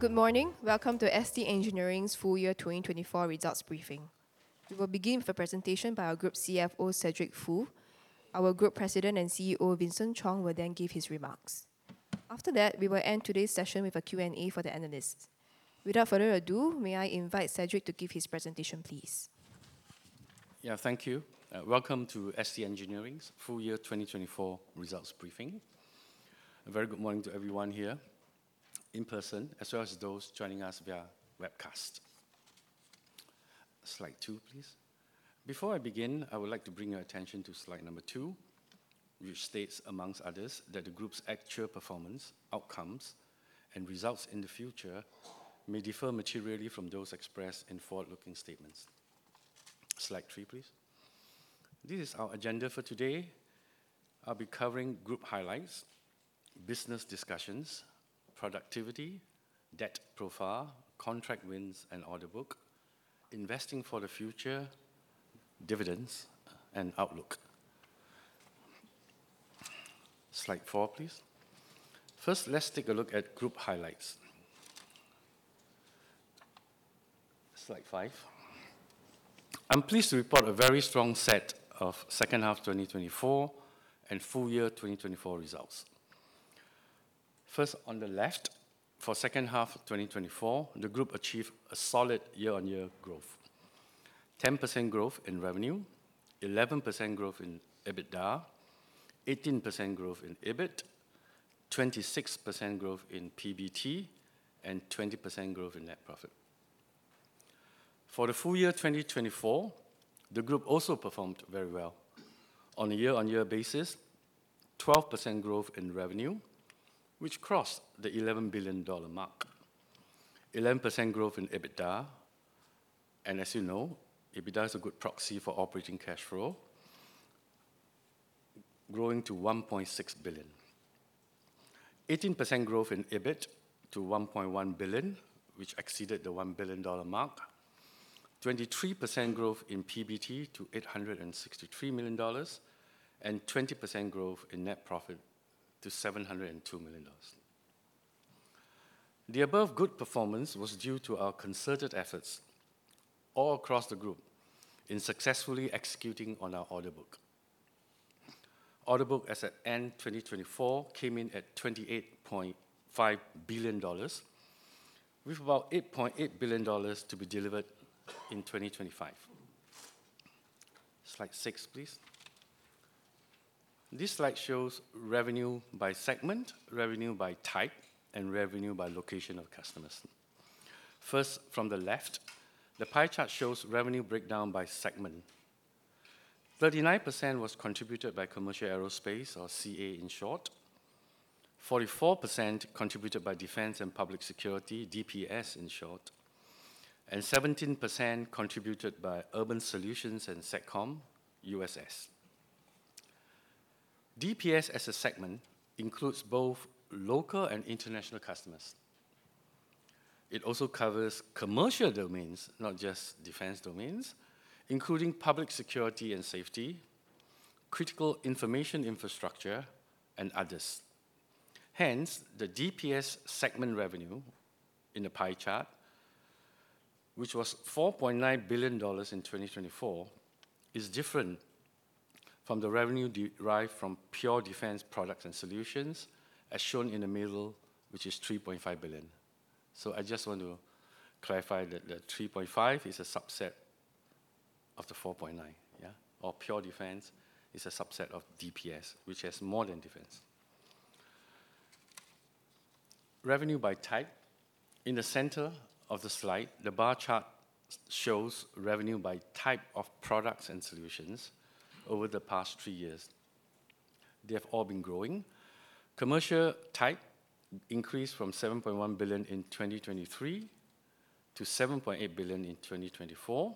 Good morning. Welcome to ST Engineering's full year 2024 results briefing. We will begin with a presentation by our Group CFO, Cedric Foo. Our Group President and CEO, Vincent Chong, will then give his remarks. After that, we will end today's session with a Q&A for the analysts. Without further ado, may I invite Cedric to give his presentation, please? Yeah, thank you. Welcome to ST Engineering's full year 2024 results briefing. A very good morning to everyone here in person, as well as those joining us via webcast. Slide two, please. Before I begin, I would like to bring your attention to slide number two, which states, among others, that the Group's actual performance, outcomes, and results in the future may differ materially from those expressed in forward-looking statements. Slide three, please. This is our agenda for today. I'll be covering Group Highlights, Business Discussions, Productivity, Debt Profile, Contract Wins and Order Book, Investing for the Future, Dividends, and Outlook. Slide four, please. First, let's take a look at Group Highlights. Slide five. I'm pleased to report a very strong set of second half 2024 and full year 2024 results. First, on the left, for second half 2024, the Group achieved a solid year-on-year growth: 10% growth in revenue, 11% growth in EBITDA, 18% growth in EBIT, 26% growth in PBT, and 20% growth in net profit. For the full year 2024, the Group also performed very well. On a year-on-year basis, 12% growth in revenue, which crossed the 11 billion dollar mark, 11% growth in EBITDA. And as you know, EBITDA is a good proxy for operating cash flow, growing to 1.6 billion, 18% growth in EBIT to 1.1 billion, which exceeded the 1 billion dollar mark, 23% growth in PBT to 863 million dollars, and 20% growth in net profit to 702 million dollars. The above good performance was due to our concerted efforts all across the Group in successfully executing on our order book. Order book as of end 2024 came in at SGD 28.5 billion, with about SGD 8.8 billion to be delivered in 2025. Slide six, please. This slide shows revenue by segment, revenue by type, and revenue by location of customers. First, from the left, the pie chart shows revenue breakdown by segment. 39% was contributed by Commercial Aerospace, or CA in short, 44% contributed by Defense and Public Security, DPS in short, and 17% contributed by Urban Solutions and Satcom, USS. DPS as a segment includes both local and international customers. It also covers commercial domains, not just defense domains, including public security and safety, critical information infrastructure, and others. Hence, the DPS segment revenue in the pie chart, which was 4.9 billion dollars in 2024, is different from the revenue derived from pure defense products and solutions, as shown in the middle, which is 3.5 billion. So I just want to clarify that the 3.5 billion is a subset of the 4.9 billion, yeah, or pure defense is a subset of DPS, which has more than defense. Revenue by type. In the center of the slide, the bar chart shows revenue by type of products and solutions over the past three years. They have all been growing. Commercial type increased from 7.1 billion in 2023 to 7.8 billion in 2024.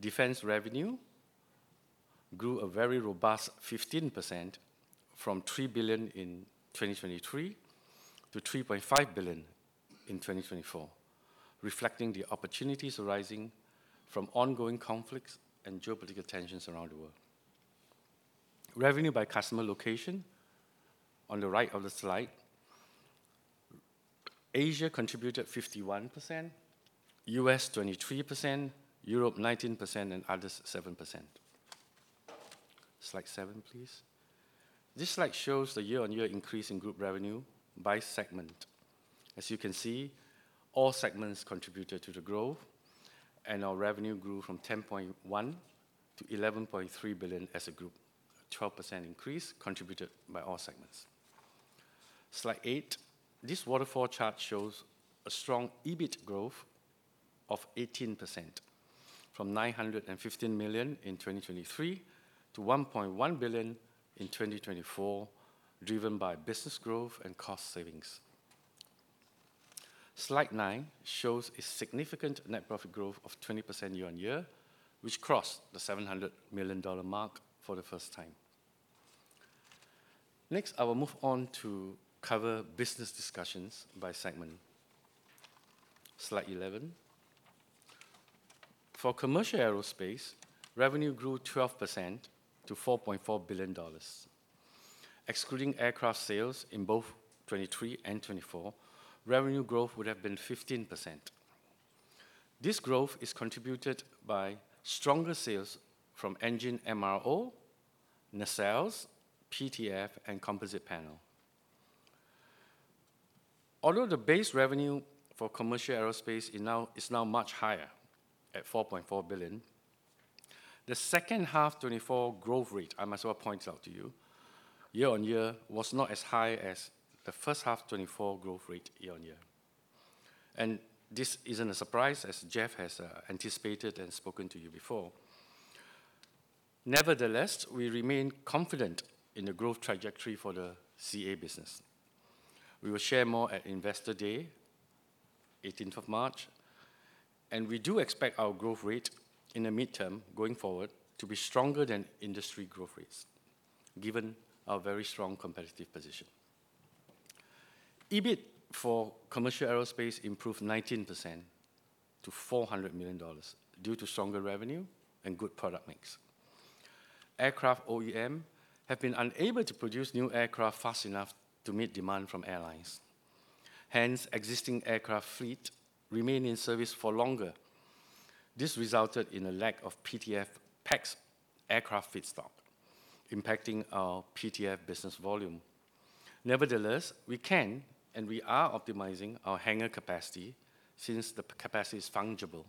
Defense revenue grew a very robust 15% from 3 billion in 2023 to 3.5 billion in 2024, reflecting the opportunities arising from ongoing conflicts and geopolitical tensions around the world. Revenue by customer location on the right of the slide. Asia contributed 51%, U.S. 23%, Europe 19%, and others 7%. Slide seven, please. This slide shows the year-on-year increase in Group revenue by segment. As you can see, all segments contributed to the growth, and our revenue grew from 10.1 billion to 11.3 billion as a Group, a 12% increase contributed by all segments. Slide eight. This waterfall chart shows a strong EBIT growth of 18% from 915 million in 2023 to 1.1 billion in 2024, driven by business growth and cost savings. Slide nine shows a significant net profit growth of 20% year-on-year, which crossed the 700 million dollar mark for the first time. Next, I will move on to cover business discussions by segment. Slide 11. For Commercial Aerospace, revenue grew 12% to 4.4 billion dollars. Excluding aircraft sales in both 2023 and 2024, revenue growth would have been 15%. This growth is contributed by stronger sales from engine MRO, nacelles, PTF, and composite panel. Although the base revenue for Commercial Aerospace is now much higher at 4.4 billion, the second half 2024 growth rate, I must point out to you, year-on-year was not as high as the first half 2024 growth rate year-on-year, and this isn't a surprise, as Jeff has anticipated and spoken to you before. Nevertheless, we remain confident in the growth trajectory for the CA business. We will share more at Investor Day, 18th of March, and we do expect our growth rate in the midterm going forward to be stronger than industry growth rates, given our very strong competitive position. EBIT for Commercial Aerospace improved 19% to 400 million dollars due to stronger revenue and good product mix. Aircraft OEM have been unable to produce new aircraft fast enough to meet demand from airlines. Hence, existing aircraft fleet remain in service for longer. This resulted in a lack of PTF-capable aircraft feedstock, impacting our PTF business volume. Nevertheless, we can and we are optimizing our hangar capacity since the capacity is fungible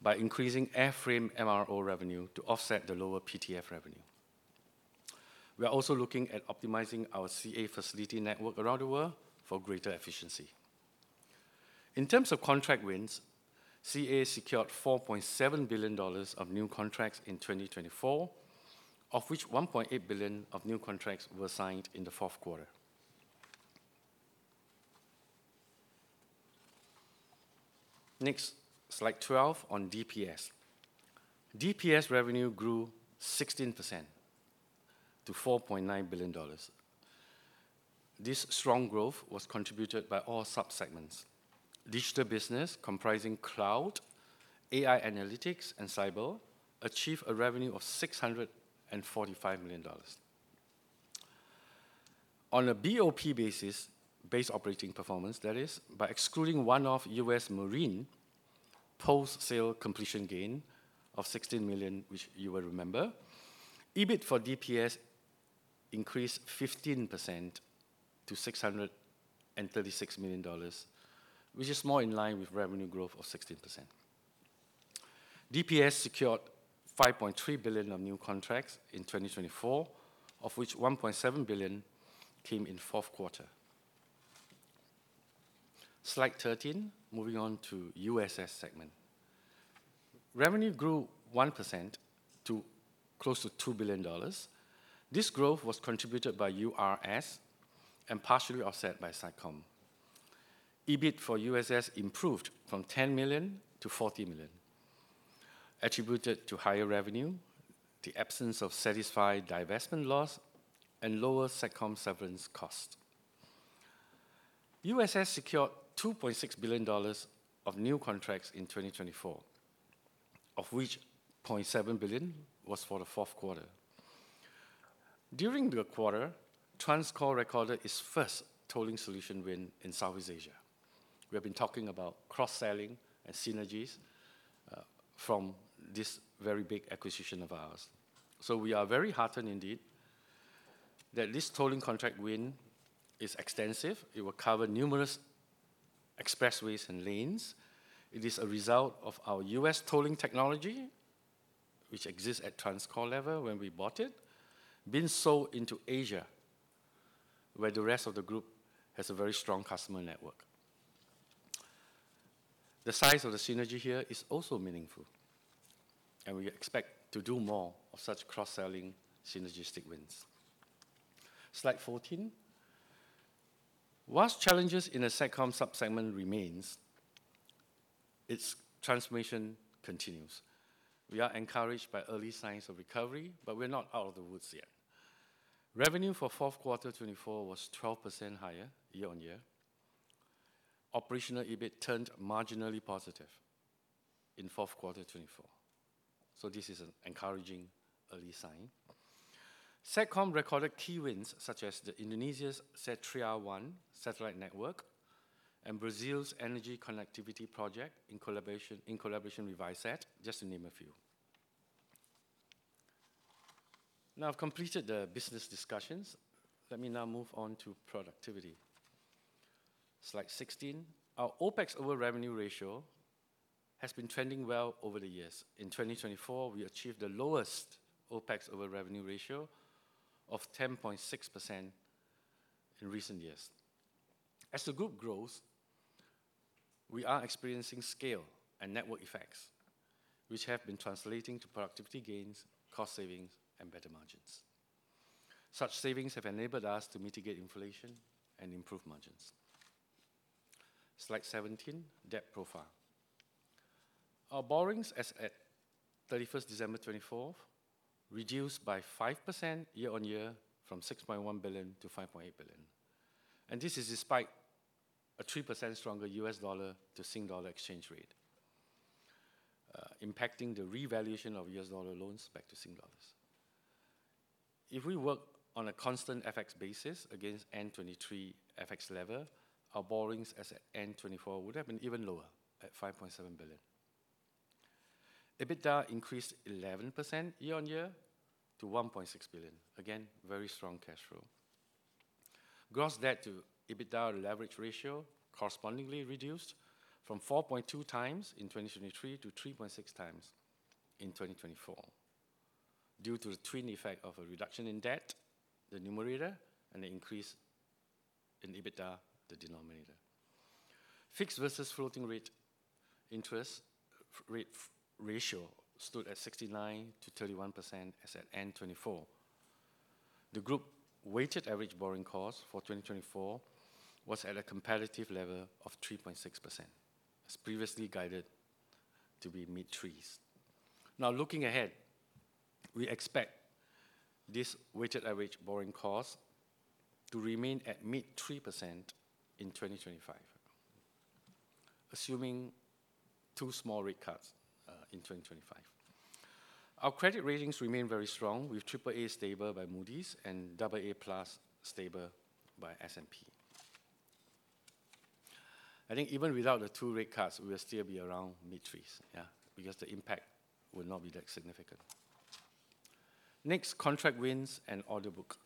by increasing airframe MRO revenue to offset the lower PTF revenue. We are also looking at optimizing our CA facility network around the world for greater efficiency. In terms of contract wins, CA secured 4.7 billion dollars of new contracts in 2024, of which 1.8 billion of new contracts were signed in the fourth quarter. Next, slide 12 on DPS. DPS revenue grew 16% to 4.9 billion dollars. This strong growth was contributed by all subsegments. Digital business comprising cloud, AI analytics, and cyber achieved a revenue of 645 million dollars. On a BOP basis, base operating performance, that is, by excluding one-off U.S. Marine post-sale completion gain of 16 million, which you will remember, EBIT for DPS increased 15% to 636 million dollars, which is more in line with revenue growth of 16%. DPS secured 5.3 billion of new contracts in 2024, of which 1.7 billion came in the fourth quarter. Slide 13, moving on to USS segment. Revenue grew 1% to close to 2 billion dollars. This growth was contributed by URS and partially offset by Satcom. EBIT for USS improved from 10 million to 40 million, attributed to higher revenue, the absence of asset divestment loss, and lower Satcom severance cost. USS secured 2.6 billion dollars of new contracts in 2024, of which 0.7 billion was for the fourth quarter. During the quarter, TransCore recorded its first tolling solution win in Southeast Asia. We have been talking about cross-selling and synergies from this very big acquisition of ours. So we are very heartened indeed that this tolling contract win is extensive. It will cover numerous expressways and lanes. It is a result of our U.S. tolling technology, which exists at TransCore level when we bought it, being sold into Asia, where the rest of the Group has a very strong customer network. The size of the synergy here is also meaningful, and we expect to do more of such cross-selling synergistic wins. Slide 14. While challenges in the Satcom subsegment remain, its transformation continues. We are encouraged by early signs of recovery, but we're not out of the woods yet. Revenue for fourth quarter 2024 was 12% higher year-on-year. Operational EBIT turned marginally positive in fourth quarter 2024. So this is an encouraging early sign. Satcom recorded key wins such as Indonesia's SATRIA-1 satellite network and Brazil's energy connectivity project in collaboration with Viasat, just to name a few. Now I've completed the Business Discussions. Let me now move on to Productivity. Slide 16. Our OpEx over revenue ratio has been trending well over the years. In 2024, we achieved the lowest OpEx over revenue ratio of 10.6% in recent years. As the Group grows, we are experiencing scale and network effects, which have been translating to productivity gains, cost savings, and better margins. Such savings have enabled us to mitigate inflation and improve margins. Slide 17, Debt Profile. Our borrowings as at 31st December 2024 reduced by 5% year-on-year from 6.1 billion to 5.8 billion, and this is despite a 3% stronger U.S. dollar to Singapore dollar exchange rate, impacting the revaluation of U.S. dollar loans back to Singapore dollars. If we work on a constant FX basis against end 2023 FX level, our borrowings as at end 2024 would have been even lower at 5.7 billion. EBITDA increased 11% year-on-year to 1.6 billion. Again, very strong cash flow. Gross debt to EBITDA leverage ratio correspondingly reduced from 4.2x in 2023 to 3.6x in 2024, due to the twin effect of a reduction in debt, the numerator, and the increase in EBITDA, the denominator. Fixed versus floating rate interest rate ratio stood at 69%-31% as at end 2024. The Group weighted average borrowing cost for 2024 was at a competitive level of 3.6%, as previously guided to be mid-threes. Now looking ahead, we expect this weighted average borrowing cost to remain at mid-3% in 2025, assuming two small rate cuts in 2025. Our credit ratings remain very strong, with AAA stable by Moody's and AA+ stable by S&P. I think even without the two rate cuts, we will still be around mid-threes, yeah, because the impact will not be that significant. Next, Contract Wins and Order Book.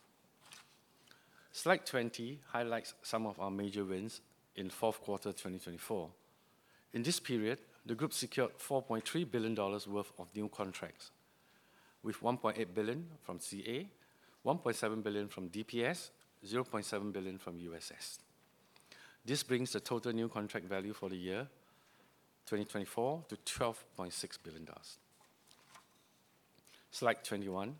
Slide 20 highlights some of our major wins in fourth quarter 2024. In this period, the Group secured SGD 4.3 billion worth of new contracts, with SGD 1.8 billion from CA, SGD 1.7 billion from DPS, and SGD 0.7 billion from USS. This brings the total new contract value for the year 2024 to SGD 12.6 billion. Slide 21.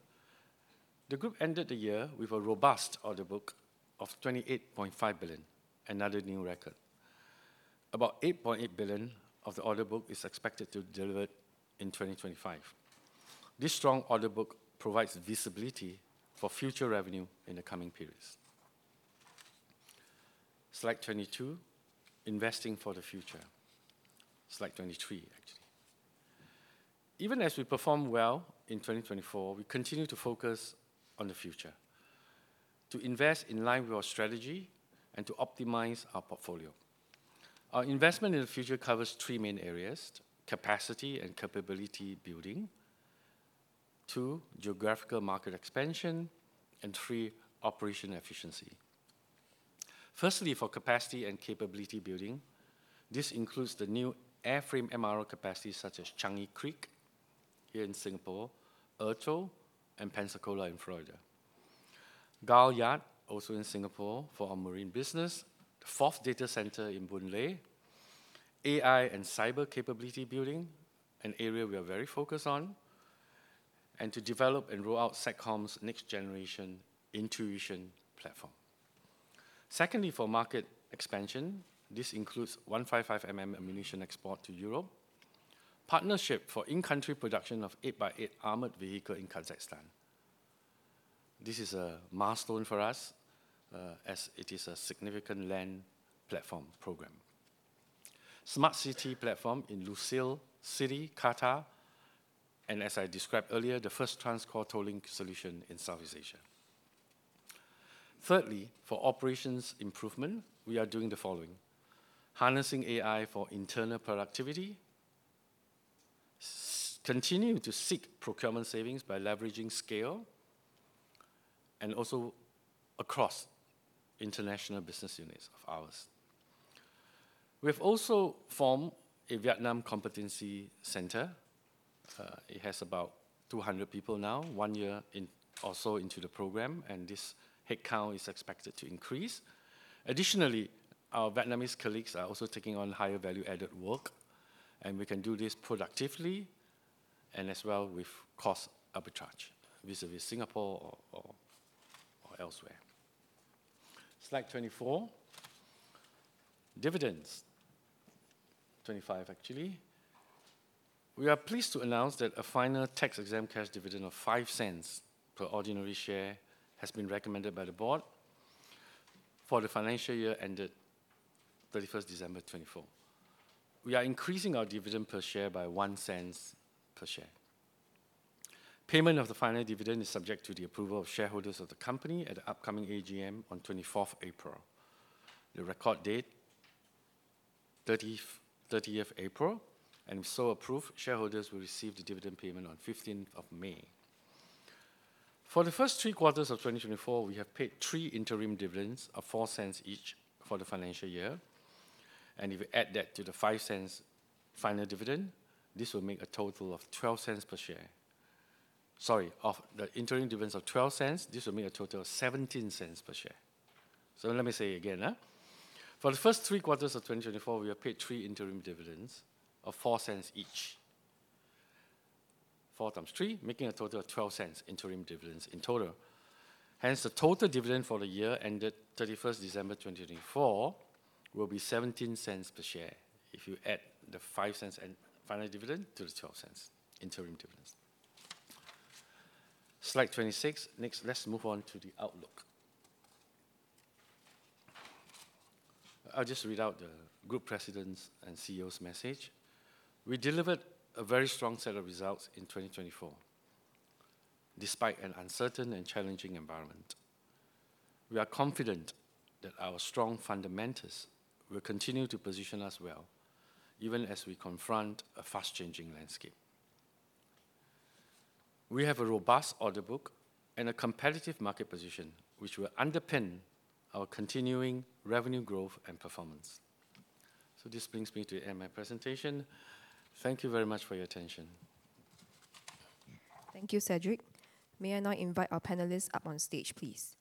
The Group ended the year with a robust order book of 28.5 billion, another new record. About 8.8 billion of the order book is expected to be delivered in 2025. This strong order book provides visibility for future revenue in the coming periods. Slide 22, Investing for the Future. Slide 23, actually. Even as we perform well in 2024, we continue to focus on the future, to invest in line with our strategy and to optimize our portfolio. Our investment in the future covers three main areas: capacity and capability building, two, geographical market expansion, and three, operational efficiency. Firstly, for capacity and capability building, this includes the new airframe MRO capacity such as Changi Creek here in Singapore, Ezhou, and Pensacola in Florida. Gul Yard, also in Singapore for our marine business, the fourth data center in Boon Lay, AI and cyber capability building, an area we are very focused on, and to develop and roll out Satcom's next-generation Intuition platform. Secondly, for market expansion, this includes 155mm ammunition export to Europe, partnership for in-country production of 8x8 armored vehicle in Kazakhstan. This is a milestone for us, as it is a significant land platform program. Smart City Platform in Lusail City, Qatar, and as I described earlier, the first TransCore tolling solution in Southeast Asia. Thirdly, for operations improvement, we are doing the following: harnessing AI for internal productivity, continuing to seek procurement savings by leveraging scale and also across international business units of ours. We have also formed a Vietnam Competency Center. It has about 200 people now, one year also into the program, and this headcount is expected to increase. Additionally, our Vietnamese colleagues are also taking on higher value-added work, and we can do this productively and as well with cost arbitrage vis-à-vis Singapore or elsewhere. Slide 24. Dividends. 25, actually. We are pleased to announce that a final tax-exempt cash dividend of 0.05 per ordinary share has been recommended by the board for the financial year ended 31st December 2024. We are increasing our dividend per share by 0.01 per share. Payment of the final dividend is subject to the approval of shareholders of the company at the upcoming AGM on 24th April. The record date, 30th April, and if so approved, shareholders will receive the dividend payment on 15th of May. For the first three quarters of 2024, we have paid three interim dividends of 0.04 each for the financial year. And if we add that to the 0.05 final dividend, this will make a total of 0.12 per share. Sorry, of the interim dividends of 0.12, this will make a total of 0.17 per share. So let me say it again. For the first three quarters of 2024, we have paid three interim dividends of 0.04 each. Four times three, making a total of 0.12 interim dividends in total. Hence, the total dividend for the year ended 31st December 2024 will be 0.17 per share if you add the 0.05 final dividend to the 0.12 interim dividends. Slide 26. Next, let's move on to the Outlook. I'll just read out the Group President's and CEOs' message. We delivered a very strong set of results in 2024, despite an uncertain and challenging environment. We are confident that our strong fundamentals will continue to position us well, even as we confront a fast-changing landscape. We have a robust order book and a competitive market position, which will underpin our continuing revenue growth and performance. So this brings me to the end of my presentation. Thank you very much for your attention. Thank you, Cedric. May I now invite our panelists up on stage, please?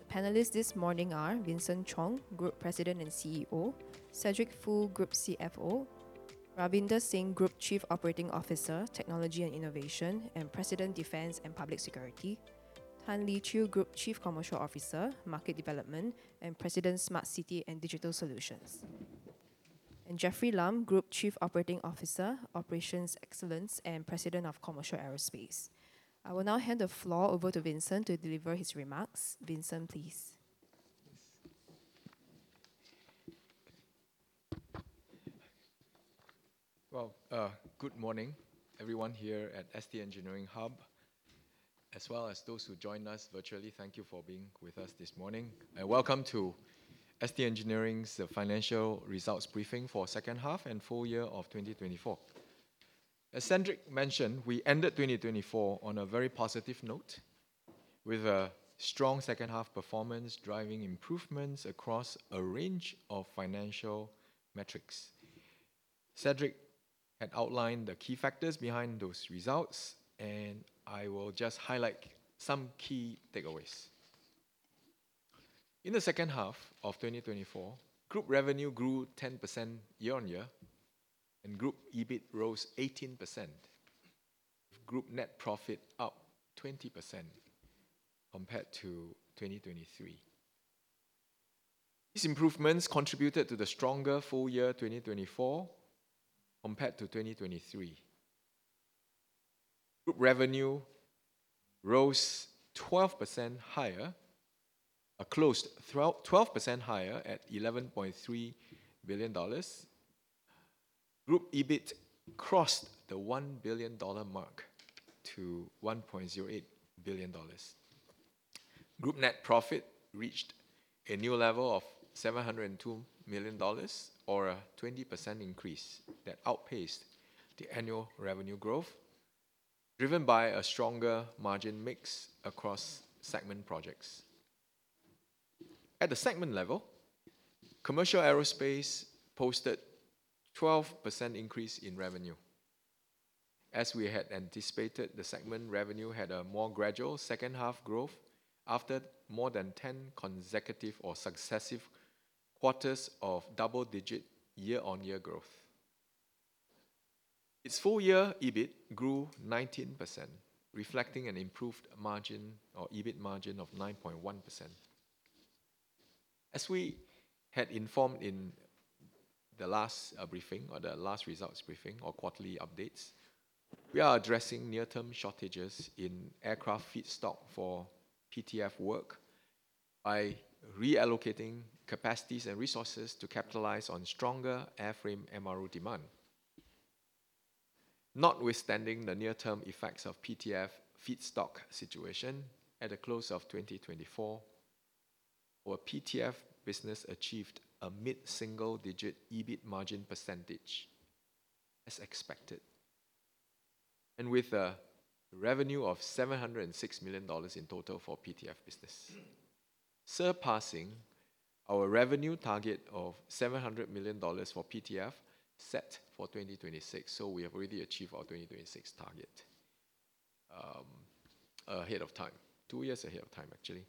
The panelists this morning are Vincent Chong, Group President and CEO, Cedric Foo, Group CFO, Ravinder Singh, Group Chief Operating Officer, Technology and Innovation and President, Defense and Public Security, Tan Lee Chew, Group Chief Commercial Officer, Market Development and President, Smart City and Digital Solutions, and Jeffrey Lam, Group Chief Operating Officer, Operations Excellence and President of Commercial Aerospace. I will now hand the floor over to Vincent to deliver his remarks. Vincent, please. Well, good morning, everyone here at ST Engineering Hub, as well as those who joined us virtually. Thank you for being with us this morning and welcome to ST Engineering's financial results briefing for the second half and full year of 2024. As Cedric mentioned, we ended 2024 on a very positive note, with a strong second half performance driving improvements across a range of financial metrics. Cedric had outlined the key factors behind those results, and I will just highlight some key takeaways. In the second half of 2024, Group revenue grew 10% year-on-year, and Group EBIT rose 18%, with Group net profit up 20% compared to 2023. These improvements contributed to the stronger full year 2024 compared to 2023. Group revenue rose 12% higher, closed 12% higher at 11.3 billion dollars. Group EBIT crossed the 1 billion dollar mark to 1.08 billion dollars. Group net profit reached a new level of 702 million dollars, or a 20% increase that outpaced the annual revenue growth, driven by a stronger margin mix across segment projects. At the segment level, Commercial Aerospace posted a 12% increase in revenue. As we had anticipated, the segment revenue had a more gradual second half growth after more than 10 consecutive or successive quarters of double-digit year-on-year growth. Its full year EBIT grew 19%, reflecting an improved margin or EBIT margin of 9.1%. As we had informed in the last briefing or the last results briefing or quarterly updates, we are addressing near-term shortages in aircraft feedstock for PTF work by reallocating capacities and resources to capitalize on stronger airframe MRO demand. Notwithstanding the near-term effects of PTF feedstock situation, at the close of 2024, our PTF business achieved a mid-single digit EBIT margin percentage, as expected, and with a revenue of 706 million dollars in total for PTF business, surpassing our revenue target of 700 million dollars for PTF set for 2026. So we have already achieved our 2026 target ahead of time, two years ahead of time, actually.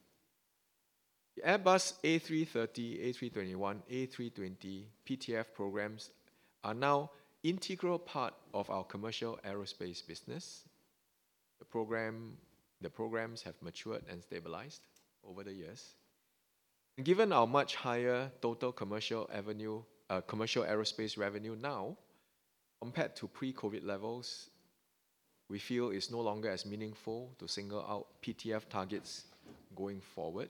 The Airbus A330, A321, A320 PTF programs are now an integral part of our Commercial Aerospace business. The programs have matured and stabilized over the years. And given our much higher total Commercial Aerospace revenue now, compared to pre-COVID levels, we feel it's no longer as meaningful to single out PTF targets going forward.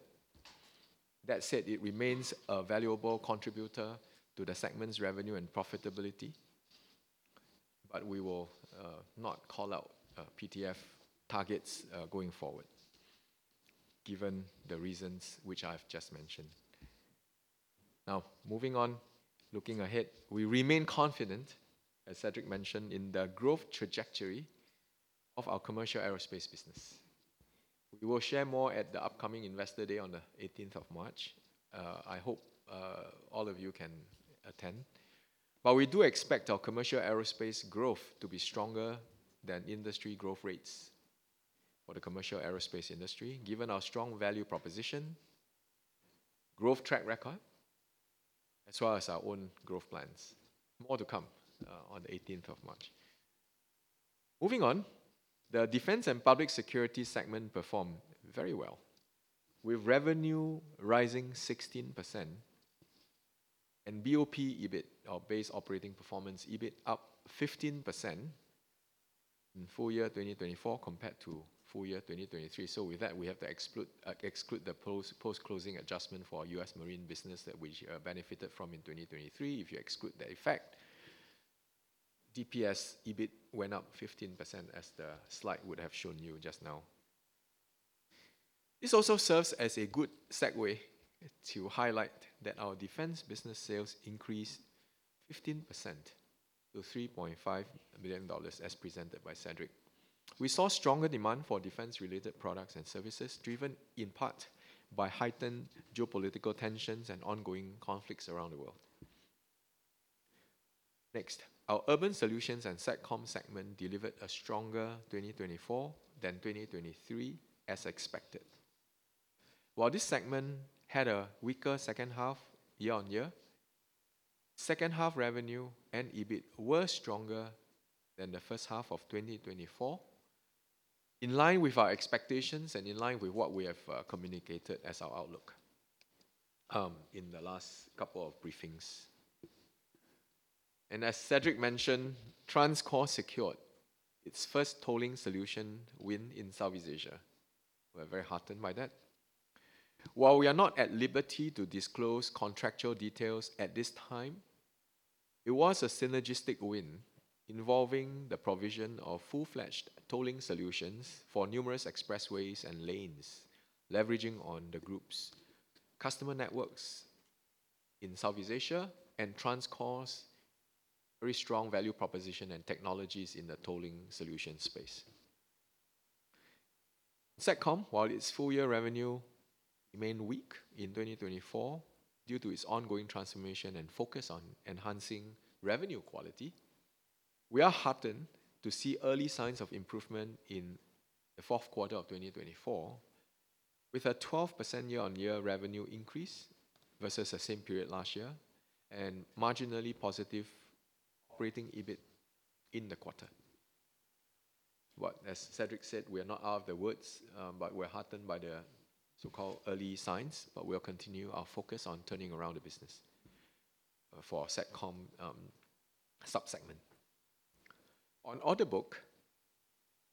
That said, it remains a valuable contributor to the segment's revenue and profitability, but we will not call out PTF targets going forward, given the reasons which I've just mentioned. Now, moving on, looking ahead, we remain confident, as Cedric mentioned, in the growth trajectory of our Commercial Aerospace business. We will share more at the upcoming Investor Day on the 18th of March. I hope all of you can attend. But we do expect our Commercial Aerospace growth to be stronger than industry growth rates for the Commercial Aerospace industry, given our strong value proposition, growth track record, as well as our own growth plans. More to come on the 18th of March. Moving on, the Defense and Public Security segment performed very well, with revenue rising 16% and BOP EBIT, our base operating performance EBIT, up 15% in full year 2024 compared to full year 2023. So with that, we have to exclude the post-closing adjustment for U.S. Marine business that we benefited from in 2023. If you exclude that effect, DPS EBIT went up 15%, as the slide would have shown you just now. This also serves as a good segue to highlight that our defense business sales increased 15% to 3.5 billion dollars, as presented by Cedric. We saw stronger demand for defense-related products and services, driven in part by heightened geopolitical tensions and ongoing conflicts around the world. Next, our Urban Solutions and Satcom segment delivered a stronger 2024 than 2023, as expected. While this segment had a weaker second half year-on-year, second half revenue and EBIT were stronger than the first half of 2024, in line with our expectations and in line with what we have communicated as our outlook in the last couple of briefings, and as Cedric mentioned, TransCore secured its first tolling solution win in Southeast Asia. We are very heartened by that. While we are not at liberty to disclose contractual details at this time, it was a synergistic win involving the provision of full-fledged tolling solutions for numerous expressways and lanes, leveraging on the Group's customer networks in Southeast Asia and TransCore's very strong value proposition and technologies in the tolling solution space. Satcom, while its full year revenue remained weak in 2024 due to its ongoing transformation and focus on enhancing revenue quality, we are heartened to see early signs of improvement in the fourth quarter of 2024, with a 12% year-on-year revenue increase versus the same period last year and marginally positive operating EBIT in the quarter, but as Cedric said, we are not out of the woods, but we are heartened by the so-called early signs, but we'll continue our focus on turning around the business for Satcom subsegment. On order book,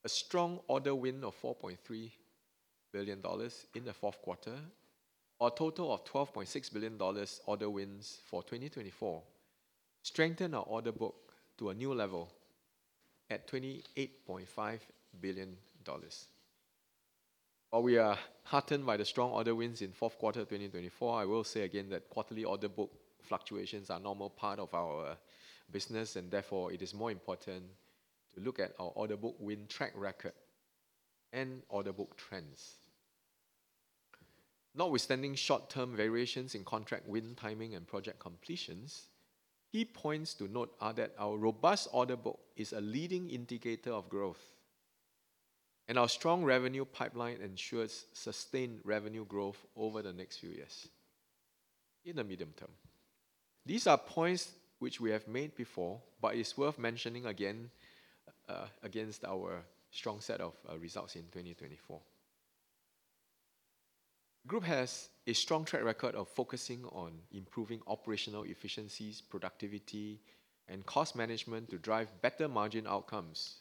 a strong order win of SGD 4.3 billion in the fourth quarter, our total of SGD 12.6 billion order wins for 2024 strengthened our order book to a new level at SGD 28.5 billion. While we are heartened by the strong order wins in fourth quarter 2024, I will say again that quarterly order book fluctuations are a normal part of our business, and therefore it is more important to look at our order book win track record and order book trends. Notwithstanding short-term variations in contract win timing and project completions, key points to note are that our robust order book is a leading indicator of growth, and our strong revenue pipeline ensures sustained revenue growth over the next few years in the medium term. These are points which we have made before, but it's worth mentioning again against our strong set of results in 2024. The Group has a strong track record of focusing on improving operational efficiencies, productivity, and cost management to drive better margin outcomes,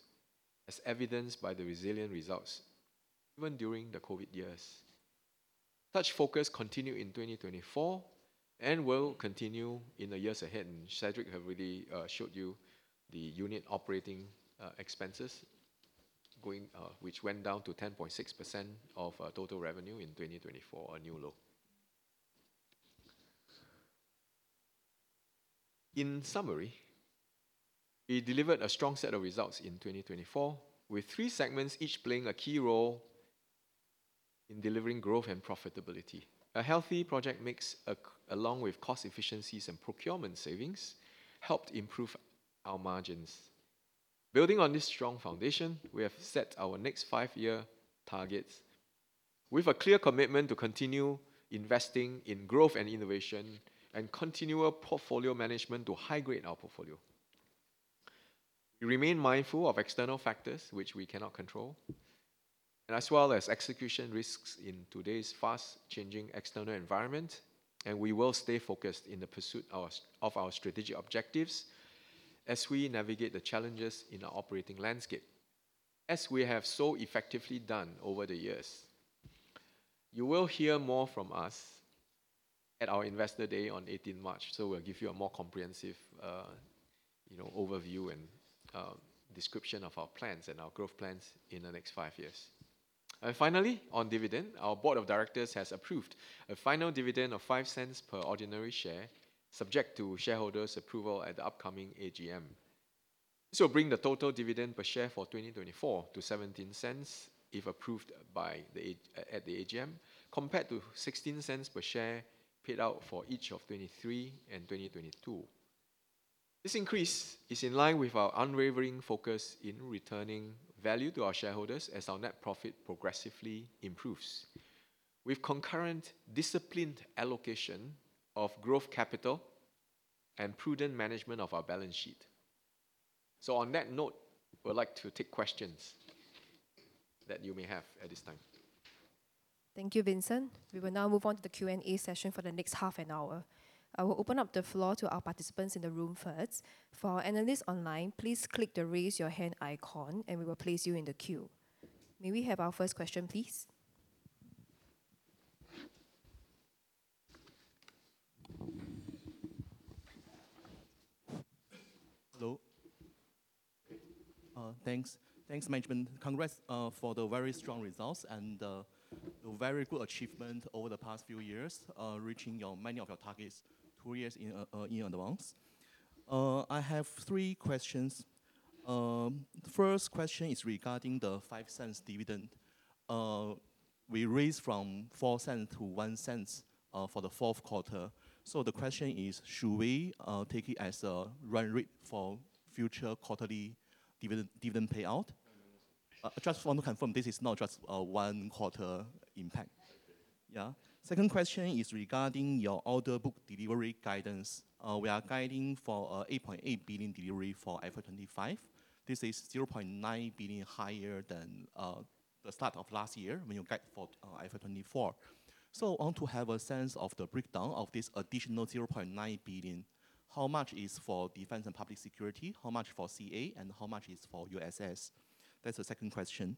as evidenced by the resilient results even during the COVID years. Such focus continued in 2024 and will continue in the years ahead. And Cedric has already showed you the unit operating expenses, which went down to 10.6% of total revenue in 2024, a new low. In summary, we delivered a strong set of results in 2024, with three segments each playing a key role in delivering growth and profitability. A healthy project mix, along with cost efficiencies and procurement savings, helped improve our margins. Building on this strong foundation, we have set our next five-year targets with a clear commitment to continue investing in growth and innovation and continual portfolio management to high-grade our portfolio. We remain mindful of external factors which we cannot control, as well as execution risks in today's fast-changing external environment, and we will stay focused in the pursuit of our strategic objectives as we navigate the challenges in our operating landscape, as we have so effectively done over the years. You will hear more from us at our Investor Day on 18 March, so we'll give you a more comprehensive overview and description of our plans and our growth plans in the next five years. And finally, on dividend, our Board of Directors has approved a final dividend of 0.05 per ordinary share, subject to shareholders' approval at the upcoming AGM. This will bring the total dividend per share for 2024 to 0.17 if approved at the AGM, compared to 0.16 per share paid out for each of 2023 and 2022. This increase is in line with our unwavering focus in returning value to our shareholders as our net profit progressively improves, with concurrent disciplined allocation of growth capital and prudent management of our balance sheet. So on that note, we'd like to take questions that you may have at this time. Thank you, Vincent. We will now move on to the Q&A session for the next half an hour. I will open up the floor to our participants in the room first. For our analysts online, please click the raise your hand icon, and we will place you in the queue. May we have our first question, please? Hello. Thanks. Thanks, Management. Congrats for the very strong results and the very good achievement over the past few years, reaching many of your targets two years in advance. I have three questions. The first question is regarding the 0.05 dividend. We raised from 0.04 to 0.01 for the fourth quarter. So the question is, should we take it as a run rate for future quarterly dividend payout? Just want to confirm this is not just one quarter impact. Yeah. Second question is regarding your order book delivery guidance. We are guiding for an 8.8 billion delivery for FY 2025. This is 0.9 billion higher than the start of last year when you guide for FY 2024. So I want to have a sense of the breakdown of this additional 0.9 billion. How much is for Defense and Public Security? How much for CA? And how much is for USS? That's the second question.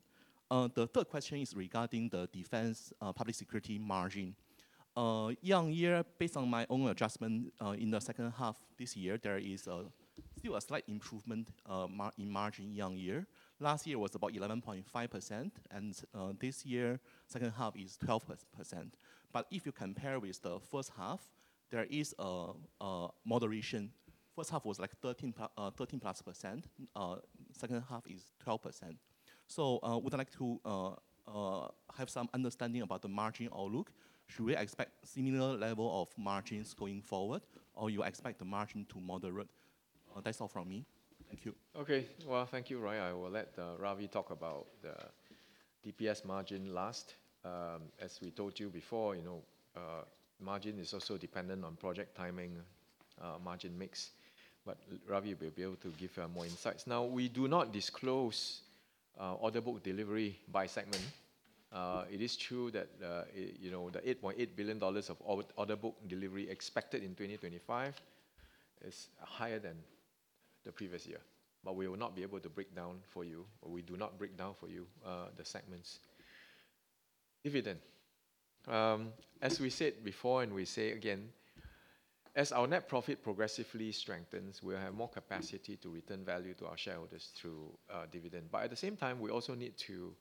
The third question is regarding the Defense and Public Security margin. Year-on-year, based on my own adjustment in the second half this year, there is still a slight improvement in margin year-on-year. Last year was about 11.5%, and this year's second half is 12%. But if you compare with the first half, there is a moderation. First half was like 13%. Second half is 12%. So I would like to have some understanding about the margin outlook. Should we expect a similar level of margins going forward, or you expect the margin to moderate? That's all from me. Thank you. Okay, well, thank you, Roy. I will let Ravi talk about the DPS margin last. As we told you before, you know, margin is also dependent on project timing, margin mix. But Ravi will be able to give you more insights. Now, we do not disclose order book delivery by segment. It is true that the 8.8 billion dollars of order book delivery expected in 2025 is higher than the previous year. But we will not be able to break down for you, or we do not break down for you the segments. Dividend. As we said before, and we say again, as our net profit progressively strengthens, we will have more capacity to return value to our shareholders through dividend. But at the same time, we also need to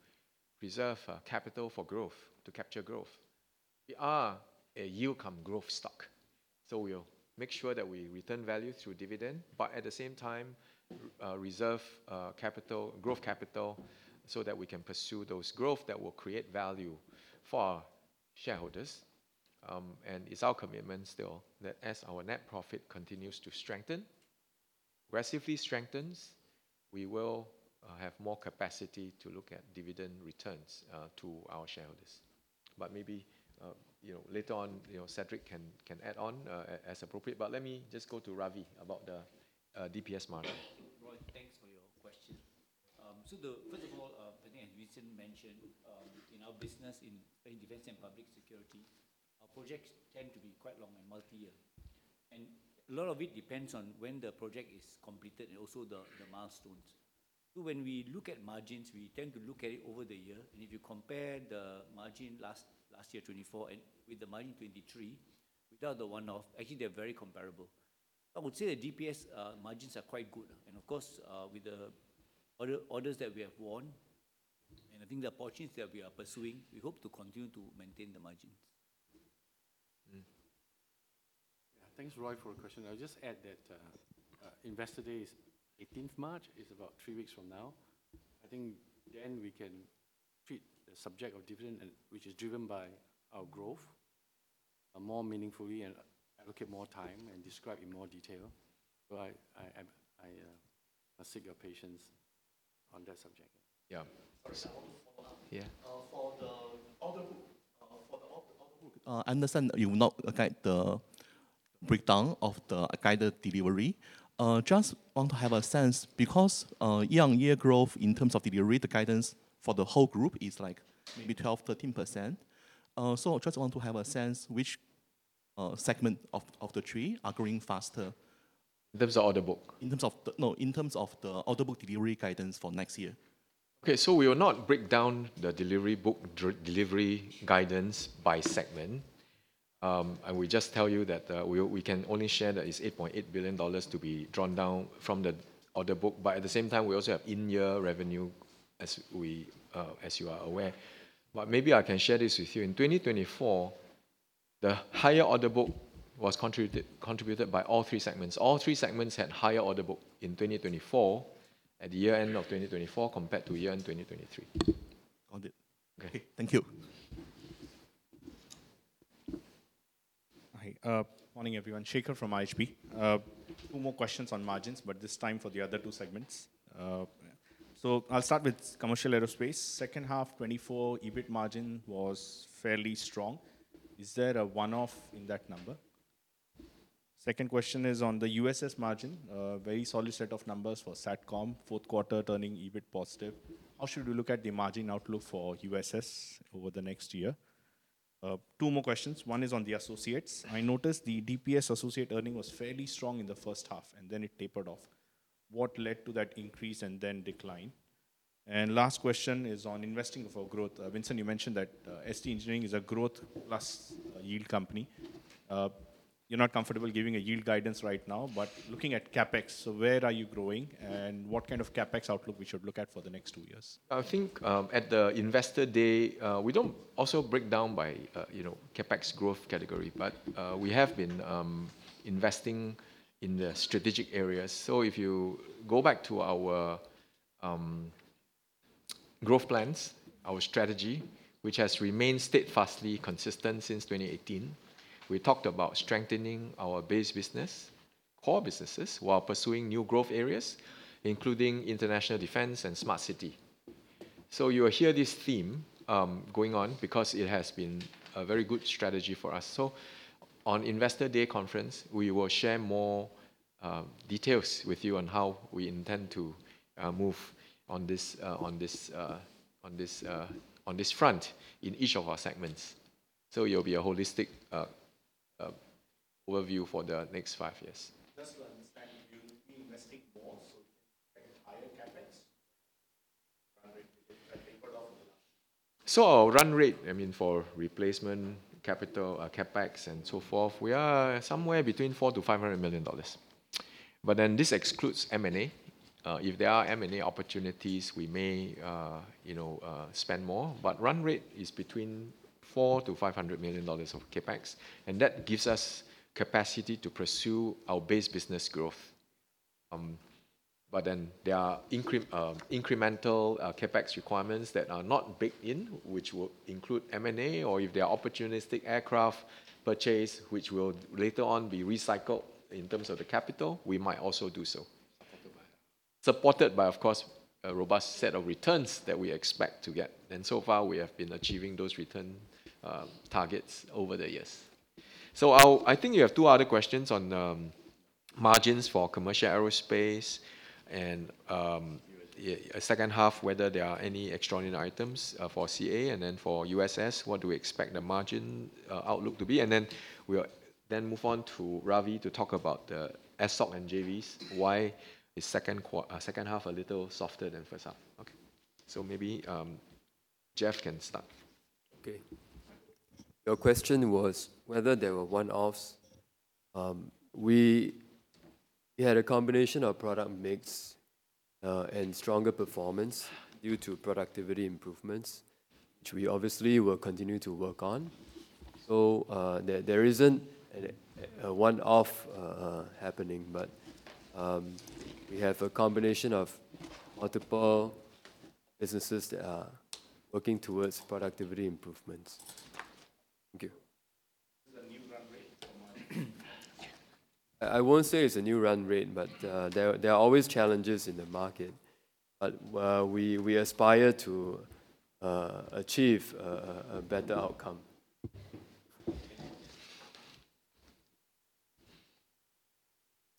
reserve capital for growth, to capture growth. We are a yield-come-growth stock. So we'll make sure that we return value through dividend, but at the same time, reserve capital, growth capital, so that we can pursue those growths that will create value for our shareholders. And it's our commitment still that as our net profit continues to strengthen, progressively strengthens, we will have more capacity to look at dividend returns to our shareholders. But maybe later on, Cedric can add on as appropriate. But let me just go to Ravi about the DPS margin. Right. Thanks for your question. So first of all, I think as Vincent mentioned, in our business in Defense and Public Security, our projects tend to be quite long and multi-year. And a lot of it depends on when the project is completed and also the milestones. So when we look at margins, we tend to look at it over the year. And if you compare the margin last year, 2024, with the margin 2023, without the one-off, actually, they're very comparable. I would say the DPS margins are quite good. And of course, with the orders that we have won, and I think the opportunities that we are pursuing, we hope to continue to maintain the margins. Yeah. Thanks, Roy, for your question. I'll just add that Investor Day is 18th March, is about three weeks from now. I think then we can treat the subject of dividend, which is driven by our growth, more meaningfully and allocate more time and describe in more detail. But I seek your patience on that subject. Yeah. For the order book. I understand that you will not guide the breakdown of the delivery guidance. Just want to have a sense because year-on-year growth in terms of delivery guidance for the whole group is like maybe 12%, 13%. So I just want to have a sense which segment of the three are going faster. In terms of the order book delivery guidance for next year. Okay. So we will not break down the delivery guidance by segment. And we just tell you that we can only share that it's 8.8 billion dollars to be drawn down from the order book. But at the same time, we also have in-year revenue, as you are aware. But maybe I can share this with you. In 2024, the higher order book was contributed by all three segments. All three segments had higher order book in 2024 at the year-end of 2024 compared to year-end 2023. Got it. Okay. Thank you. Hi. Morning, everyone. Shekhar from RHB. Two more questions on margins, but this time for the other two segments. So I'll start with Commercial Aerospace. Second half, 2024, EBIT margin was fairly strong. Is there a one-off in that number? Second question is on the USS margin. Very solid set of numbers for Satcom, fourth quarter turning EBIT positive. How should we look at the margin outlook for USS over the next year? Two more questions. One is on the associates. I noticed the DPS associate earnings was fairly strong in the first half, and then it tapered off. What led to that increase and then decline? And last question is on investing for growth. Vincent, you mentioned that ST Engineering is a growth plus yield company. You're not comfortable giving a yield guidance right now, but looking at CapEx, so where are you growing and what kind of CapEx outlook we should look at for the next two years? I think at the Investor Day, we don't also break down by CapEx growth category, but we have been investing in the strategic areas. So if you go back to our growth plans, our strategy, which has remained steadfastly consistent since 2018, we talked about strengthening our base business, core businesses, while pursuing new growth areas, including International Defense and Smart City. So you will hear this theme going on because it has been a very good strategy for us. So on Investor Day conference, we will share more details with you on how we intend to move on this front in each of our segments. So it will be a holistic overview for the next five years. Just to understand, you'll be investing more so you can get higher CapEx? Run rate will get tapered off in the last few years. So our run rate, I mean, for replacement capital, CapEx, and so forth, we are somewhere between 400 million-500 million dollars. But then this excludes M&A. If there are M&A opportunities, we may spend more, but run rate is between 400 million-500 million dollars of CapEx, and that gives us capacity to pursue our base business growth, but then there are incremental CapEx requirements that are not baked in, which will include M&A or if there are opportunistic aircraft purchases, which will later on be recycled in terms of the capital, we might also do so, supported by, of course, a robust set of returns that we expect to get, and so far, we have been achieving those return targets over the years, so I think you have two other questions on margins for Commercial Aerospace and a second half, whether there are any extraordinary items for CA and then for USS, what do we expect the margin outlook to be, and then we'll then move on to Ravi to talk about the SOC and JVs. Why is second half a little softer than first half? Okay. So maybe Jeff can start. Okay. Your question was whether there were one-offs. We had a combination of product mix and stronger performance due to productivity improvements, which we obviously will continue to work on. So there isn't a one-off happening, but we have a combination of multiple businesses that are working towards productivity improvements. Thank you. Is it a new run rate? I won't say it's a new run rate, but there are always challenges in the market. But we aspire to achieve a better outcome.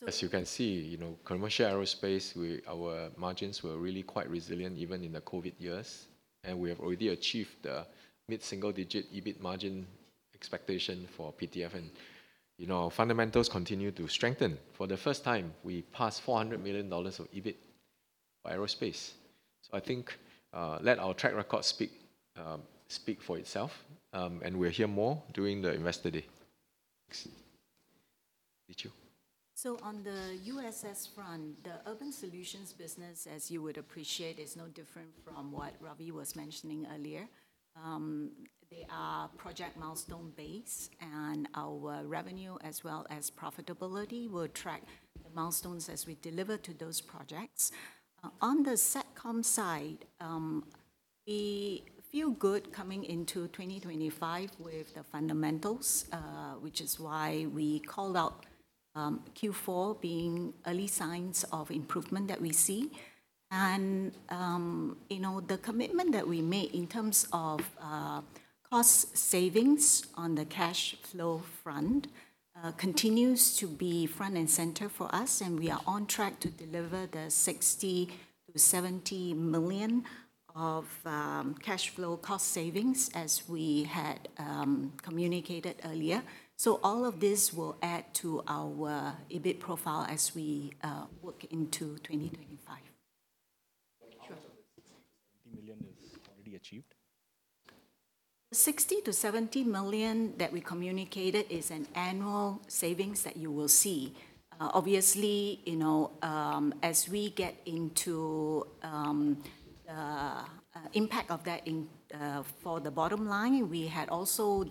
As you can see, Commercial Aerospace, our margins were really quite resilient even in the COVID years. And we have already achieved the mid-single-digit EBIT margin expectation for PTF. And our fundamentals continue to strengthen. For the first time, we passed 400 million dollars of EBIT for Aerospace. I think let our track record speak for itself, and we'll hear more during the Investor Day. Thank you. On the USS front, the Urban Solutions business, as you would appreciate, is no different from what Ravi was mentioning earlier. They are project milestone-based, and our revenue, as well as profitability, will track the milestones as we deliver to those projects. On the Satcom side, we feel good coming into 2025 with the fundamentals, which is why we called out Q4 being early signs of improvement that we see. The commitment that we made in terms of cost savings on the cash flow front continues to be front and center for us, and we are on track to deliver the 60 million-70 million of cash flow cost savings, as we had communicated earlier. So all of this will add to our EBIT profile as we work into 2025. Sure. 60 million is already achieved? The 60 million-70 million that we communicated is an annual savings that you will see. Obviously, as we get into the impact of that for the bottom line, we had also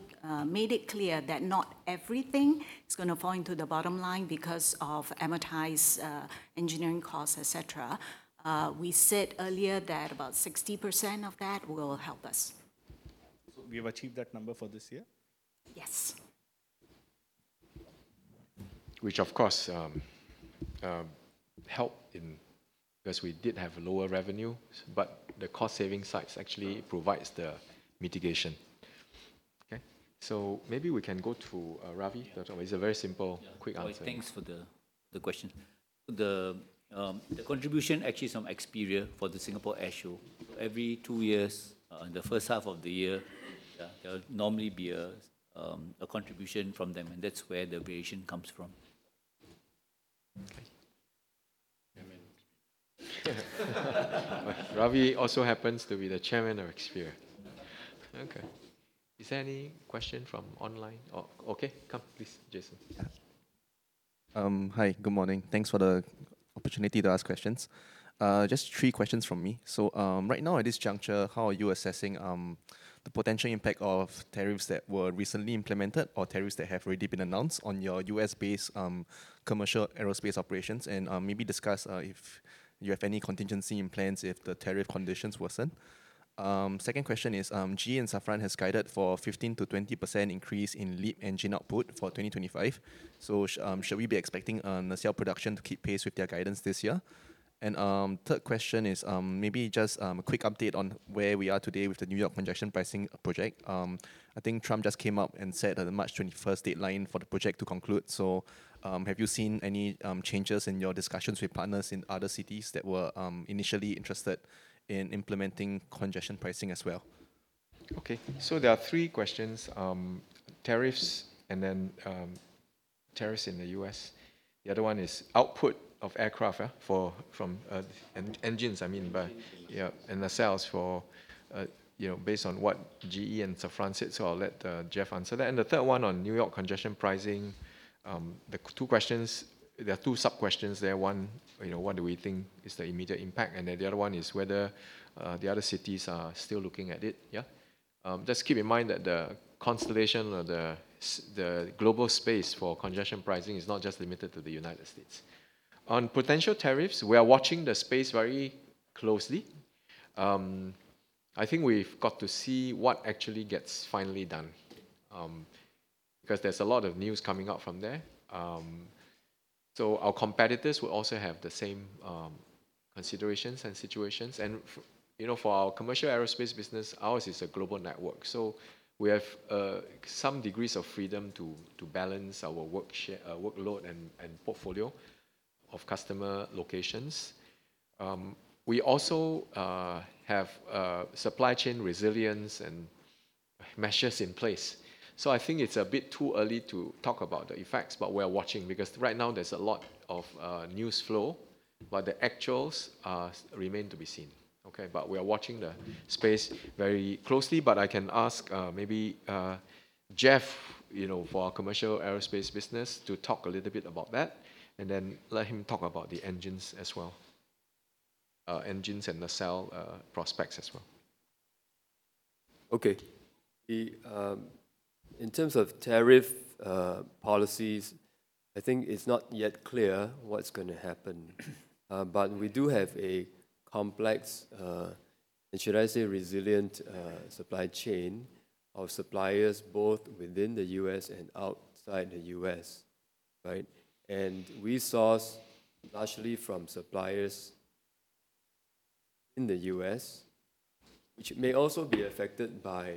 made it clear that not everything is going to fall into the bottom line because of amortized engineering costs, etc. We said earlier that about 60% of that will help us. So we have achieved that number for this year? Yes. Which, of course, helped in because we did have lower revenue, but the cost savings side actually provides the mitigation. Okay. So maybe we can go to Ravi. It's a very simple, quick answer. Thanks for the question. The contribution actually is from Experia for the Singapore Airshow. Every two years, in the first half of the year, there will normally be a contribution from them, and that's where the variation comes from. Okay. Ravi also happens to be the chairman of Experia. Okay. Is there any question from online? Okay. Come, please, Jason. Hi. Good morning. Thanks for the opportunity to ask questions. Just three questions from me. So right now, at this juncture, how are you assessing the potential impact of tariffs that were recently implemented or tariffs that have already been announced on your U.S.-based Commercial Aerospace operations? And maybe discuss if you have any contingency in plans if the tariff conditions worsen. Second question is, GE and Safran has guided for a 15%-20% increase in LEAP engine output for 2025. So should we be expecting nacelle production to keep pace with their guidance this year? And third question is maybe just a quick update on where we are today with the New York congestion pricing project. I think Trump just came up and said that the March 21st deadline for the project to conclude. So have you seen any changes in your discussions with partners in other cities that were initially interested in implementing congestion pricing as well? Okay. So there are three questions. Tariffs and then tariffs in the U.S. The other one is output of aircraft from engines, I mean, and nacelles based on what GE and Safran said. So I'll let Jeff answer that. And the third one on New York congestion pricing, the two questions, there are two sub-questions there. One, what do we think is the immediate impact? And then the other one is whether the other cities are still looking at it. Yeah. Just keep in mind that the constellation or the global space for congestion pricing is not just limited to the United States. On potential tariffs, we are watching the space very closely. I think we've got to see what actually gets finally done because there's a lot of news coming out from there. So our competitors will also have the same considerations and situations. And for our Commercial Aerospace business, ours is a global network. So we have some degrees of freedom to balance our workload and portfolio of customer locations. We also have supply chain resilience and measures in place. So I think it's a bit too early to talk about the effects, but we're watching because right now there's a lot of news flow, but the actuals remain to be seen. Okay. But we are watching the space very closely. But I can ask maybe Jeff for our Commercial Aerospace business to talk a little bit about that and then let him talk about the engines as well, engines and nacelle prospects as well. Okay. In terms of tariff policies, I think it's not yet clear what's going to happen. But we do have a complex, and should I say resilient supply chain of suppliers both within the U.S. and outside the U.S. And we source largely from suppliers in the U.S., which may also be affected by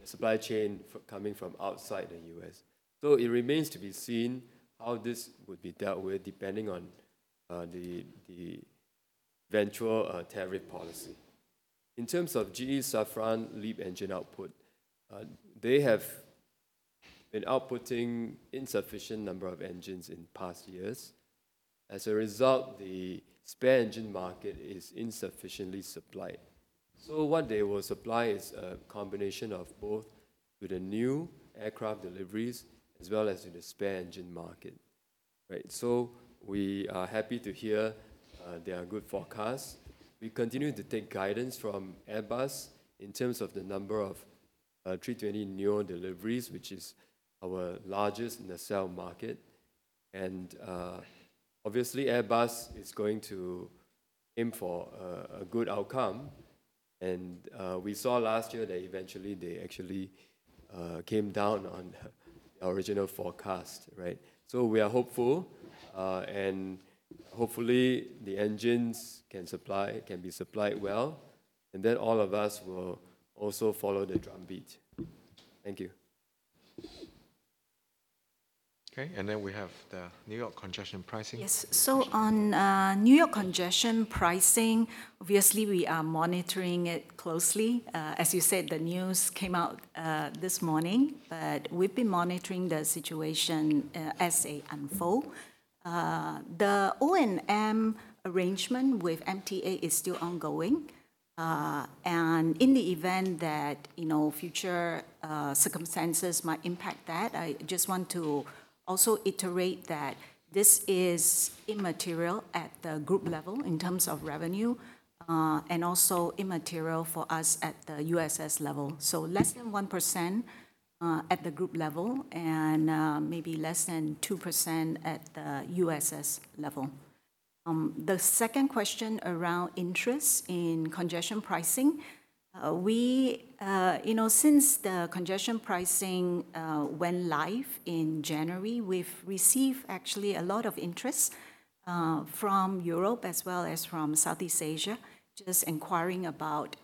the supply chain coming from outside the U.S. So it remains to be seen how this would be dealt with depending on the eventual tariff policy. In terms of GE, Safran, LEAP engine output, they have been outputting an insufficient number of engines in past years. As a result, the spare engine market is insufficiently supplied. So what they will supply is a combination of both with the new aircraft deliveries as well as with the spare engine market. So we are happy to hear there are good forecasts. We continue to take guidance from Airbus in terms of the number of A320neo deliveries, which is our largest nacelle market. And obviously, Airbus is going to aim for a good outcome. And we saw last year that eventually they actually came down on the original forecast. So we are hopeful, and hopefully the engines can be supplied well. And then all of us will also follow the drumbeat. Thank you. Okay. And then we have the New York congestion pricing. Yes. So on New York congestion pricing, obviously we are monitoring it closely. As you said, the news came out this morning, but we've been monitoring the situation as it unfolds. The O&M arrangement with MTA is still ongoing, and in the event that future circumstances might impact that, I just want to also iterate that this is immaterial at the group level in terms of revenue and also immaterial for us at the USS level, so less than 1% at the group level and maybe less than 2% at the USS level. The second question around interest in congestion pricing, since the congestion pricing went live in January, we've received actually a lot of interest from Europe as well as from Southeast Asia just inquiring about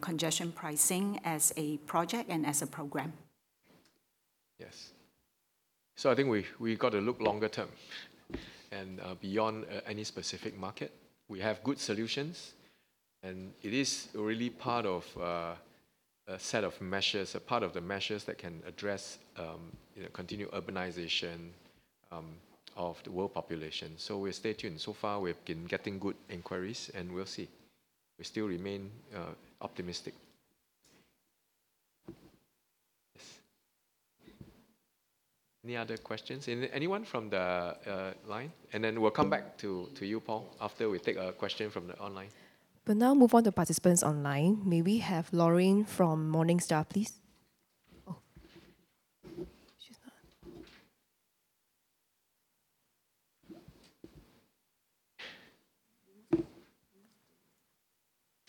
congestion pricing as a project and as a program. Yes, so I think we got to look longer term and beyond any specific market. We have good solutions, and it is really part of a set of measures, a part of the measures that can address continued urbanization of the world population. So we'll stay tuned. So far, we've been getting good inquiries, and we'll see. We still remain optimistic. Any other questions? Anyone from the line? And then we'll come back to you, Paul, after we take a question from the online. We'll now move on to participants online. May we have Lorraine from Morningstar, please? She's not.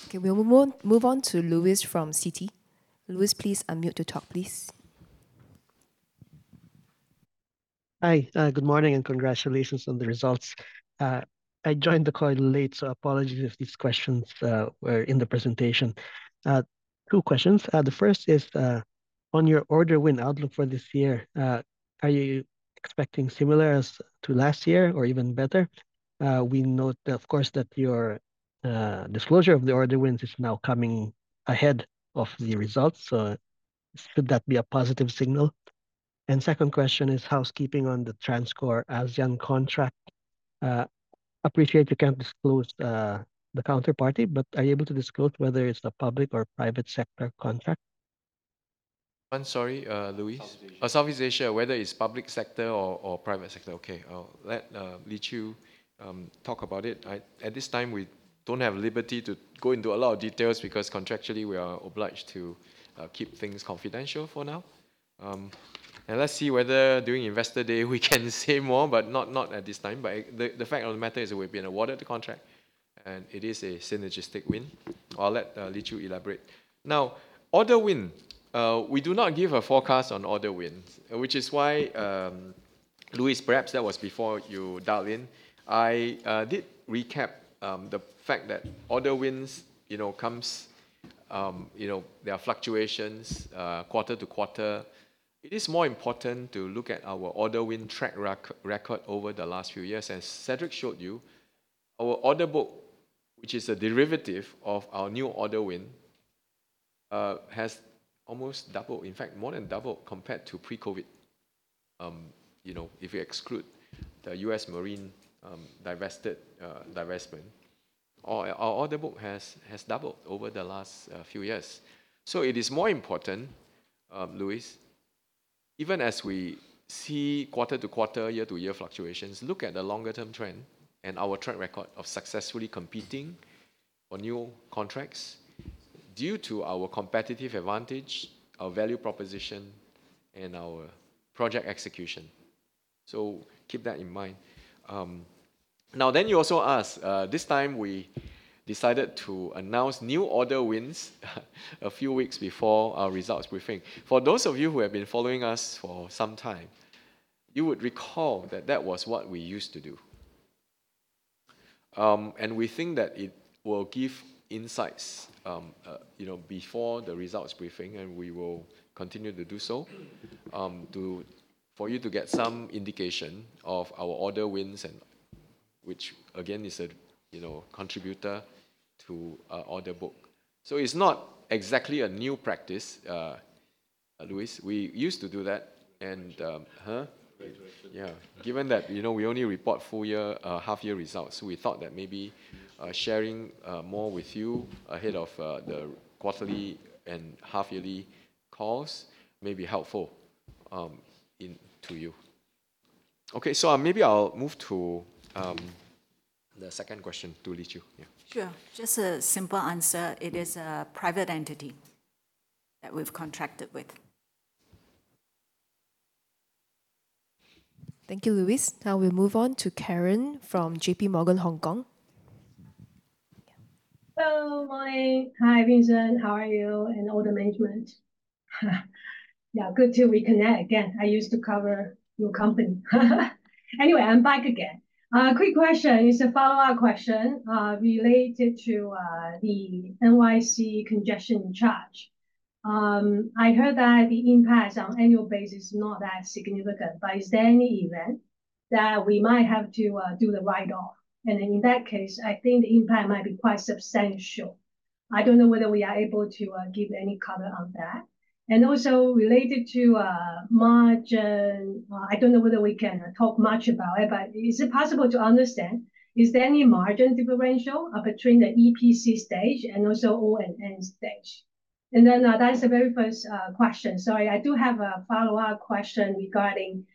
Okay. We'll move on to Luis from Citi. Luis, please unmute to talk, please. Hi. Good morning and congratulations on the results. I joined the call late, so apologies if these questions were in the presentation. Two questions. The first is, on your order win outlook for this year, are you expecting similar as to last year or even better? We note, of course, that your disclosure of the order wins is now coming ahead of the results. So should that be a positive signal? Second question is housekeeping on the TransCore ASEAN contract. Appreciate you can't disclose the counterparty, but are you able to disclose whether it's a public or private sector contract? I'm sorry, Luis. Southeast Asia, whether it's public sector or private sector, okay. I'll let Lee Chew talk about it. At this time, we don't have liberty to go into a lot of details because contractually, we are obliged to keep things confidential for now. Let's see whether during Investor Day, we can say more, but not at this time. The fact of the matter is we've been awarded the contract, and it is a synergistic win. I'll let Lee Chew elaborate. Now, order win, we do not give a forecast on order wins, which is why, Luis, perhaps that was before you dialed in. I did recap the fact that order wins come. There are fluctuations quarter to quarter. It is more important to look at our order win track record over the last few years. As Cedric showed you, our order book, which is a derivative of our new order win, has almost doubled, in fact, more than doubled compared to pre-COVID, if we exclude the U.S. Marine divestment. Our order book has doubled over the last few years. So it is more important, Luis, even as we see quarter to quarter, year to year fluctuations, look at the longer-term trend and our track record of successfully competing for new contracts due to our competitive advantage, our value proposition, and our project execution. So keep that in mind. Now, then you also asked, this time we decided to announce new order wins a few weeks before our results briefing. For those of you who have been following us for some time, you would recall that that was what we used to do. And we think that it will give insights before the results briefing, and we will continue to do so for you to get some indication of our order wins, which again is a contributor to our order book. So it's not exactly a new practice, Luis. We used to do that. And given that we only report full year, half-year results, we thought that maybe sharing more with you ahead of the quarterly and half-yearly calls may be helpful to you. Okay. So maybe I'll move to the second question to Lee Chew. Sure. Just a simple answer. It is a private entity that we've contracted with. Thank you, Luis. Now we'll move on to Karen from JPMorgan Hong Kong. Hello. Hi, Vincent. How are you and all the management? Yeah. Good to reconnect again. I used to cover your company. Anyway, I'm back again. Quick question. It's a follow-up question related to the NYC congestion charge. I heard that the impact on annual basis is not that significant, but is there any event that we might have to do the write-off? And in that case, I think the impact might be quite substantial. I don't know whether we are able to give any color on that. And also related to margin, I don't know whether we can talk much about it, but is it possible to understand, is there any margin differential between the EPC stage and also O&M stage? And then that's the very first question. Sorry, I do have a follow-up question regarding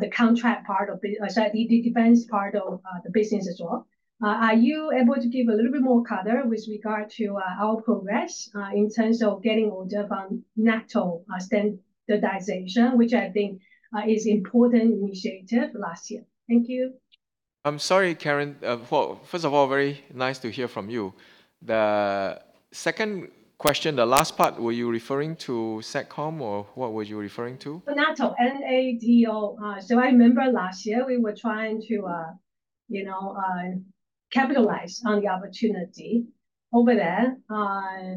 the contract part of the defense part of the business as well. Are you able to give a little bit more color with regard to our progress in terms of getting orders from NATO standardization, which I think is an important initiative last year? Thank you. I'm sorry, Karen. First of all, very nice to hear from you. The second question, the last part, were you referring to Satcom or what were you referring to? NATO, N-A-T-O. So I remember last year we were trying to capitalize on the opportunity over there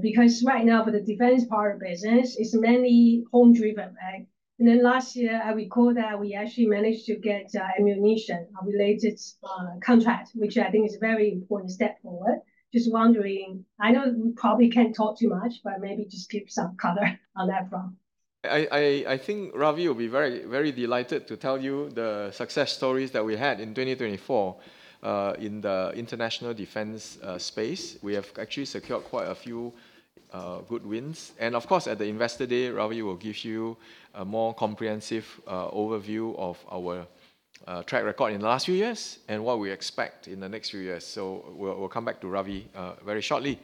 because right now for the defense part of business, it's mainly home-driven, and then last year, I recall that we actually managed to get ammunition-related contract, which I think is a very important step forward. Just wondering, I know we probably can't talk too much, but maybe just give some color on that front. I think Ravi will be very delighted to tell you the success stories that we had in 2024 in the international defense space. We have actually secured quite a few good wins. And of course, at the Investor Day, Ravi will give you a more comprehensive overview of our track record in the last few years and what we expect in the next few years. So we'll come back to Ravi very shortly.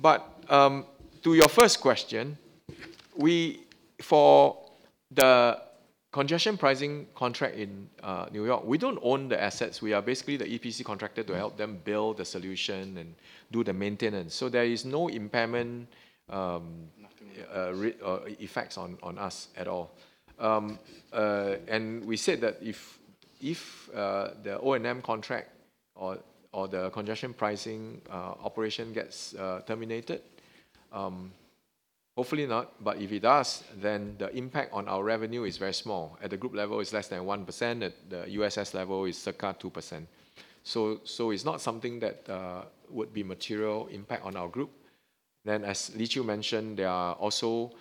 But to your first question, for the congestion pricing contract in New York, we don't own the assets. We are basically the EPC contractor to help them build the solution and do the maintenance. So there is no impairment effects on us at all. And we said that if the O&M contract or the congestion pricing operation gets terminated, hopefully not, but if it does, then the impact on our revenue is very small. At the group level, it's less than 1%. At the USS level, it's circa 2%. So it's not something that would be a material impact on our group. Then, as Lee Chew mentioned, there are also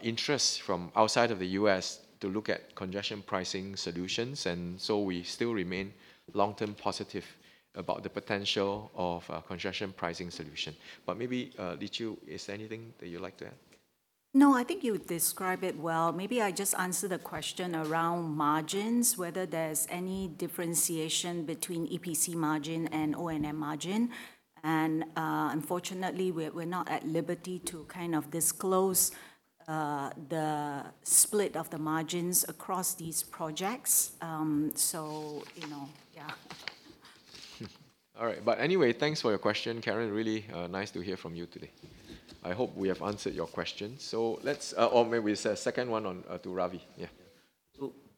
interests from outside of the U.S. to look at congestion pricing solutions. And so we still remain long-term positive about the potential of a congestion pricing solution. But maybe Lee Chew, is there anything that you'd like to add? No, I think you described it well. Maybe I just answered the question around margins, whether there's any differentiation between EPC margin and O&M margin. And unfortunately, we're not at liberty to kind of disclose the split of the margins across these projects. So yeah. All right. But anyway, thanks for your question, Karen. Really nice to hear from you today. I hope we have answered your questions. So let's maybe say a second one to Ravi. Yeah.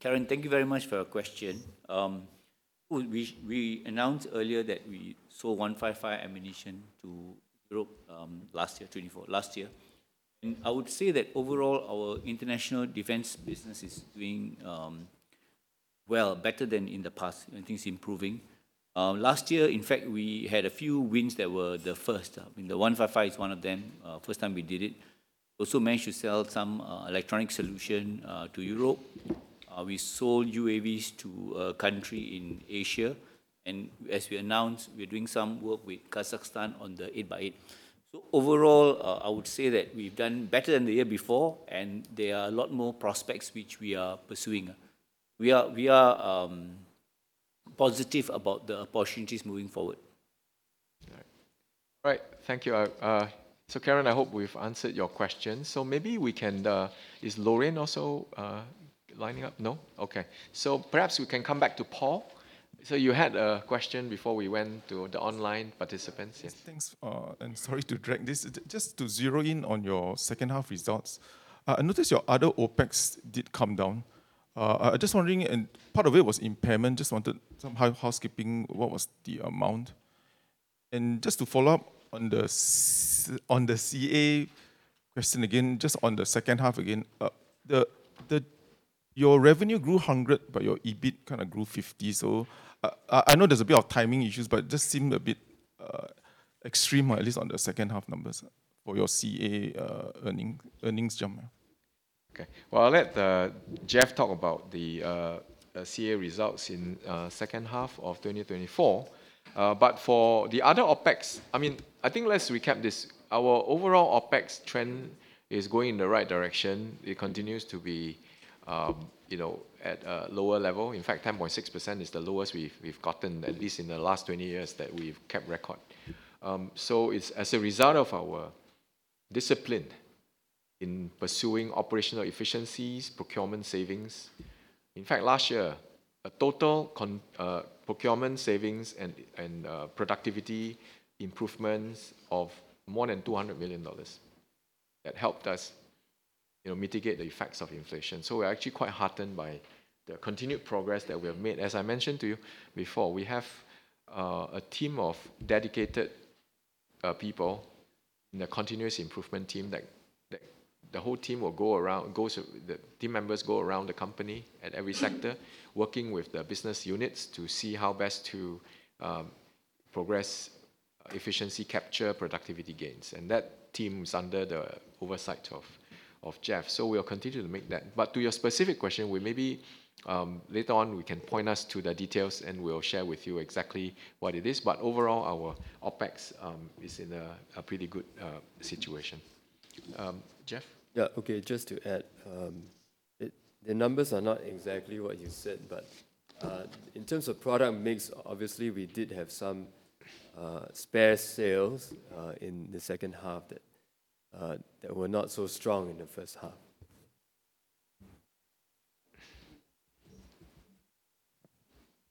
Karen, thank you very much for your question. We announced earlier that we sold 155 ammunition to Europe last year, 2024. Last year. And I would say that overall, our international defense business is doing well, better than in the past. I think it's improving. Last year, in fact, we had a few wins that were the first. I mean, the 155 is one of them, first time we did it. We also managed to sell some electronic solution to Europe. We sold UAVs to a country in Asia. And as we announced, we're doing some work with Kazakhstan on the 8x8. So overall, I would say that we've done better than the year before, and there are a lot more prospects which we are pursuing. We are positive about the opportunities moving forward. All right. Thank you. Karen, I hope we've answered your questions. Maybe we can—is Lorraine also lining up? No? Okay. Perhaps we can come back to Paul. You had a question before we went to the online participants. Yes. Thanks. And sorry to drag this. Just to zero in on your second-half results, I noticed your other OpEx did come down. I'm just wondering, part of it was impairment. Just wanted some housekeeping. What was the amount? And just to follow up on the CA question again, just on the second half again, your revenue grew 100%, but your EBIT kind of grew 50%. I know there's a bit of timing issues, but it just seemed a bit extreme, at least on the second-half numbers for your CA earnings jump. Okay. Well, I'll let Jeff talk about the CA results in the second half of 2024. But for the other OpEx, I mean, I think let's recap this. Our overall OpEx trend is going in the right direction. It continues to be at a lower level. In fact, 10.6% is the lowest we've gotten, at least in the last 20 years that we've kept record. So it's as a result of our discipline in pursuing operational efficiencies, procurement savings. In fact, last year, a total procurement savings and productivity improvements of more than 200 million dollars that helped us mitigate the effects of inflation. So we're actually quite heartened by the continued progress that we have made. As I mentioned to you before, we have a team of dedicated people in the continuous improvement team that the whole team will go around, the team members go around the company at every sector, working with the business units to see how best to progress, efficiency capture, productivity gains. That team is under the oversight of Jeff. So we'll continue to make that. But to your specific question, maybe later on, we can point us to the details and we'll share with you exactly what it is. But overall, our OpEx is in a pretty good situation. Jeff? Yeah. Okay. Just to add, the numbers are not exactly what you said, but in terms of product mix, obviously, we did have some spare sales in the second half that were not so strong in the first half.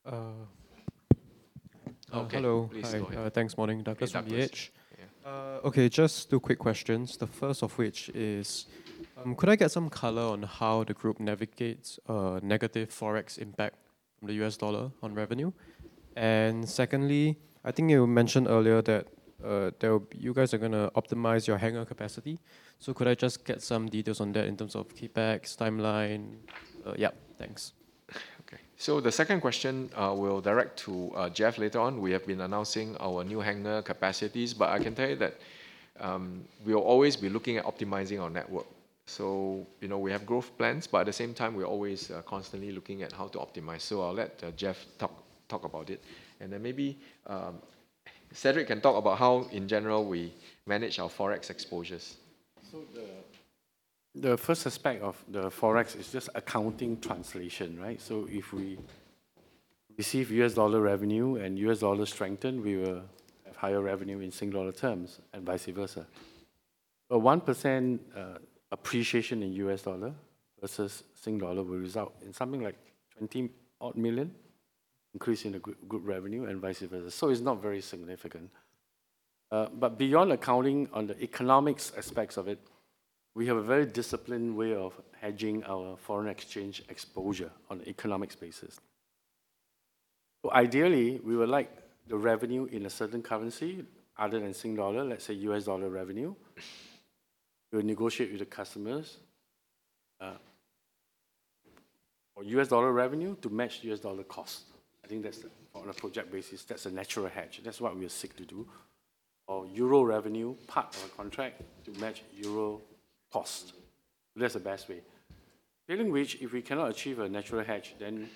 Hello. Good morning. Okay. Just two quick questions, the first of which is, could I get some color on how the group navigates negative forex impact from the U.S. dollar on revenue? And secondly, I think you mentioned earlier that you guys are going to optimize your hangar capacity. Could I just get some details on that in terms of CapEx, timeline? Yeah. Thanks. Okay. The second question will direct to Jeff later on. We have been announcing our new hangar capacities, but I can tell you that we'll always be looking at optimizing our network. We have growth plans, but at the same time, we're always constantly looking at how to optimize. I'll let Jeff talk about it. Then maybe Cedric can talk about how, in general, we manage our forex exposures. The first aspect of the forex is just accounting translation, right? If we receive U.S. dollar revenue and U.S. dollar strengthen, we will have higher revenue in Singapore dollar terms and vice versa. A 1% appreciation in U.S. dollar versus Singapore dollar will result in something like 20-odd million increase in the group revenue and vice versa. It's not very significant. But beyond accounting on the economics aspects of it, we have a very disciplined way of hedging our foreign exchange exposure on an economic basis. Ideally, we would like the revenue in a certain currency other than Singapore dollar, let's say U.S. dollar revenue. We'll negotiate with the customers for U.S. dollar revenue to match U.S. dollar cost. I think that's on a project basis. That's a natural hedge. That's what we seek to do. Or Euro revenue, part of a contract to match Euro cost. That's the best way. In which case, if we cannot achieve a natural hedge, then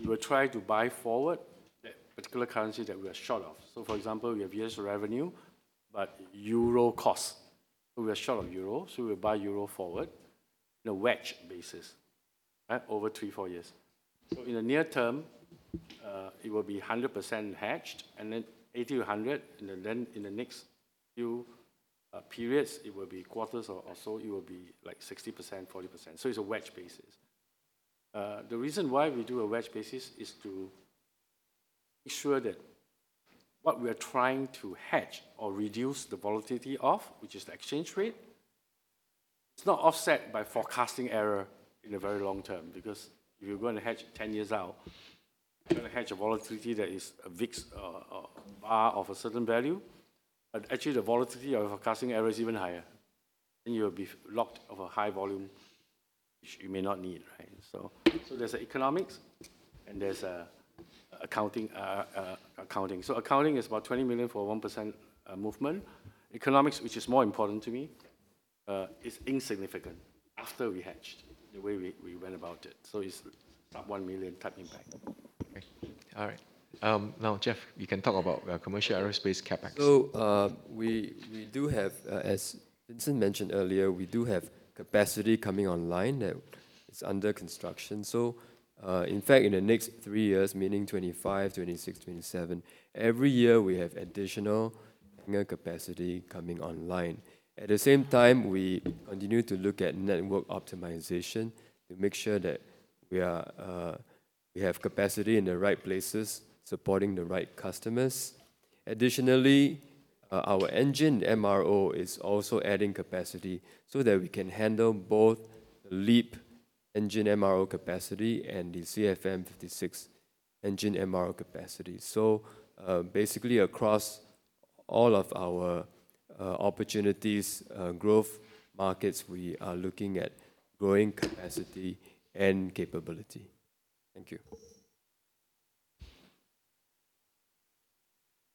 we will try to buy forward that particular currency that we are short of. So for example, we have U.S. revenue, but Euro cost. So we are short of Euro. So we will buy Euro forward on a hedge basis over three, four years. So in the near term, it will be 100% hedged and then 80%-100%. And then in the next few periods, it will be quarters or so, it will be like 60%, 40%. So it's a wedge basis. The reason why we do a wedge basis is to ensure that what we are trying to hedge or reduce the volatility of, which is the exchange rate, it's not offset by forecasting error in the very long term because if you're going to hedge 10 years out, you're going to hedge a volatility that is a fixed bar of a certain value. But actually, the volatility of forecasting error is even higher. Then you will be locked of a high volume, which you may not need. So there's economics and there's accounting. So accounting is about 20 million for a 1% movement. Economics, which is more important to me, is insignificant after we hedged the way we went about it. So it's sub 1 million type impact. All right. Now, Jeff, you can talk about Commercial Aerospace CapEx. So we do have, as Vincent mentioned earlier, we do have capacity coming online that is under construction. So in fact, in the next three years, meaning 2025, 2026, 2027, every year we have additional hangar capacity coming online. At the same time, we continue to look at network optimization to make sure that we have capacity in the right places supporting the right customers. Additionally, our engine MRO is also adding capacity so that we can handle both the LEAP engine MRO capacity and the CFM56 engine MRO capacity. So basically, across all of our opportunities, growth markets, we are looking at growing capacity and capability.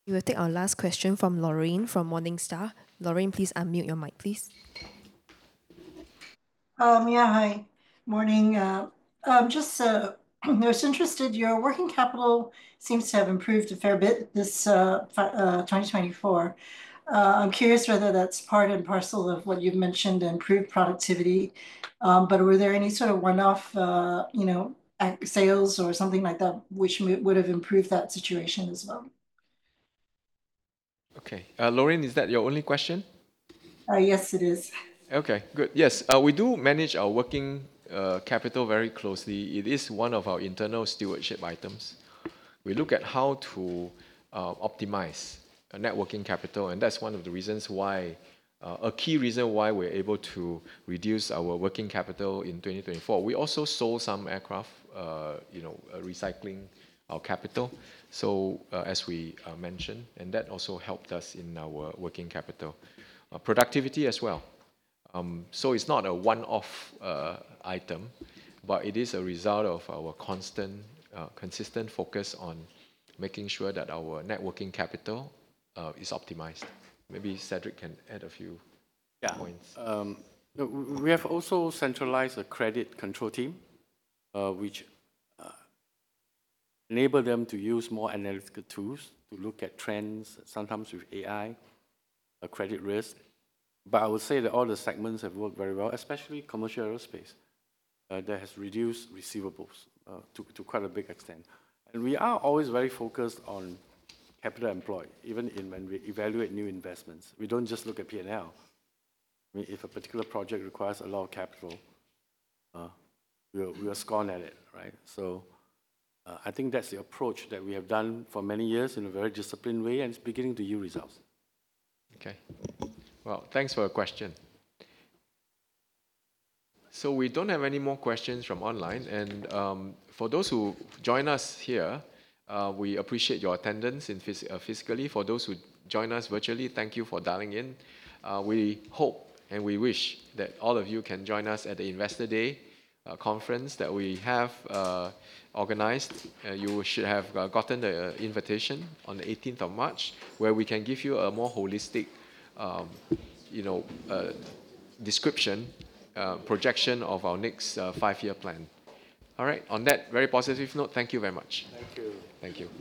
Thank you. We will take our last question from Lorraine from Morningstar. Lorraine, please unmute your mic, please. Hi, morning. Just interested, your working capital seems to have improved a fair bit this 2024. I'm curious whether that's part and parcel of what you've mentioned to improve productivity. But were there any sort of one-off sales or something like that which would have improved that situation as well? Okay. Lorraine, is that your only question? Yes, it is. Okay. Good. Yes. We do manage our working capital very closely. It is one of our internal stewardship items. We look at how to optimize working capital. And that's one of the reasons why, a key reason why we're able to reduce our working capital in 2024. We also sold some aircraft recycling our capital, so as we mentioned, and that also helped us in our working capital. Productivity as well. So it's not a one-off item, but it is a result of our constant, consistent focus on making sure that our working capital is optimized. Maybe Cedric can add a few points. We have also centralized a credit control team, which enables them to use more analytical tools to look at trends, sometimes with AI, credit risk. But I would say that all the segments have worked very well, especially Commercial Aerospace. That has reduced receivables to quite a big extent. And we are always very focused on capital employed, even when we evaluate new investments. We don't just look at P&L. If a particular project requires a lot of capital, we are concerned about it. So I think that's the approach that we have done for many years in a very disciplined way, and it's beginning to yield results. Okay. Well, thanks for your question. So we don't have any more questions from online. And for those who join us here, we appreciate your attendance physically. For those who join us virtually, thank you for dialing in. We hope and we wish that all of you can join us at the Investor Day conference that we have organized. You should have gotten the invitation on the 18th of March, where we can give you a more holistic description, projection of our next five-year plan. All right. On that very positive note, thank you very much. Thank you. Thank you.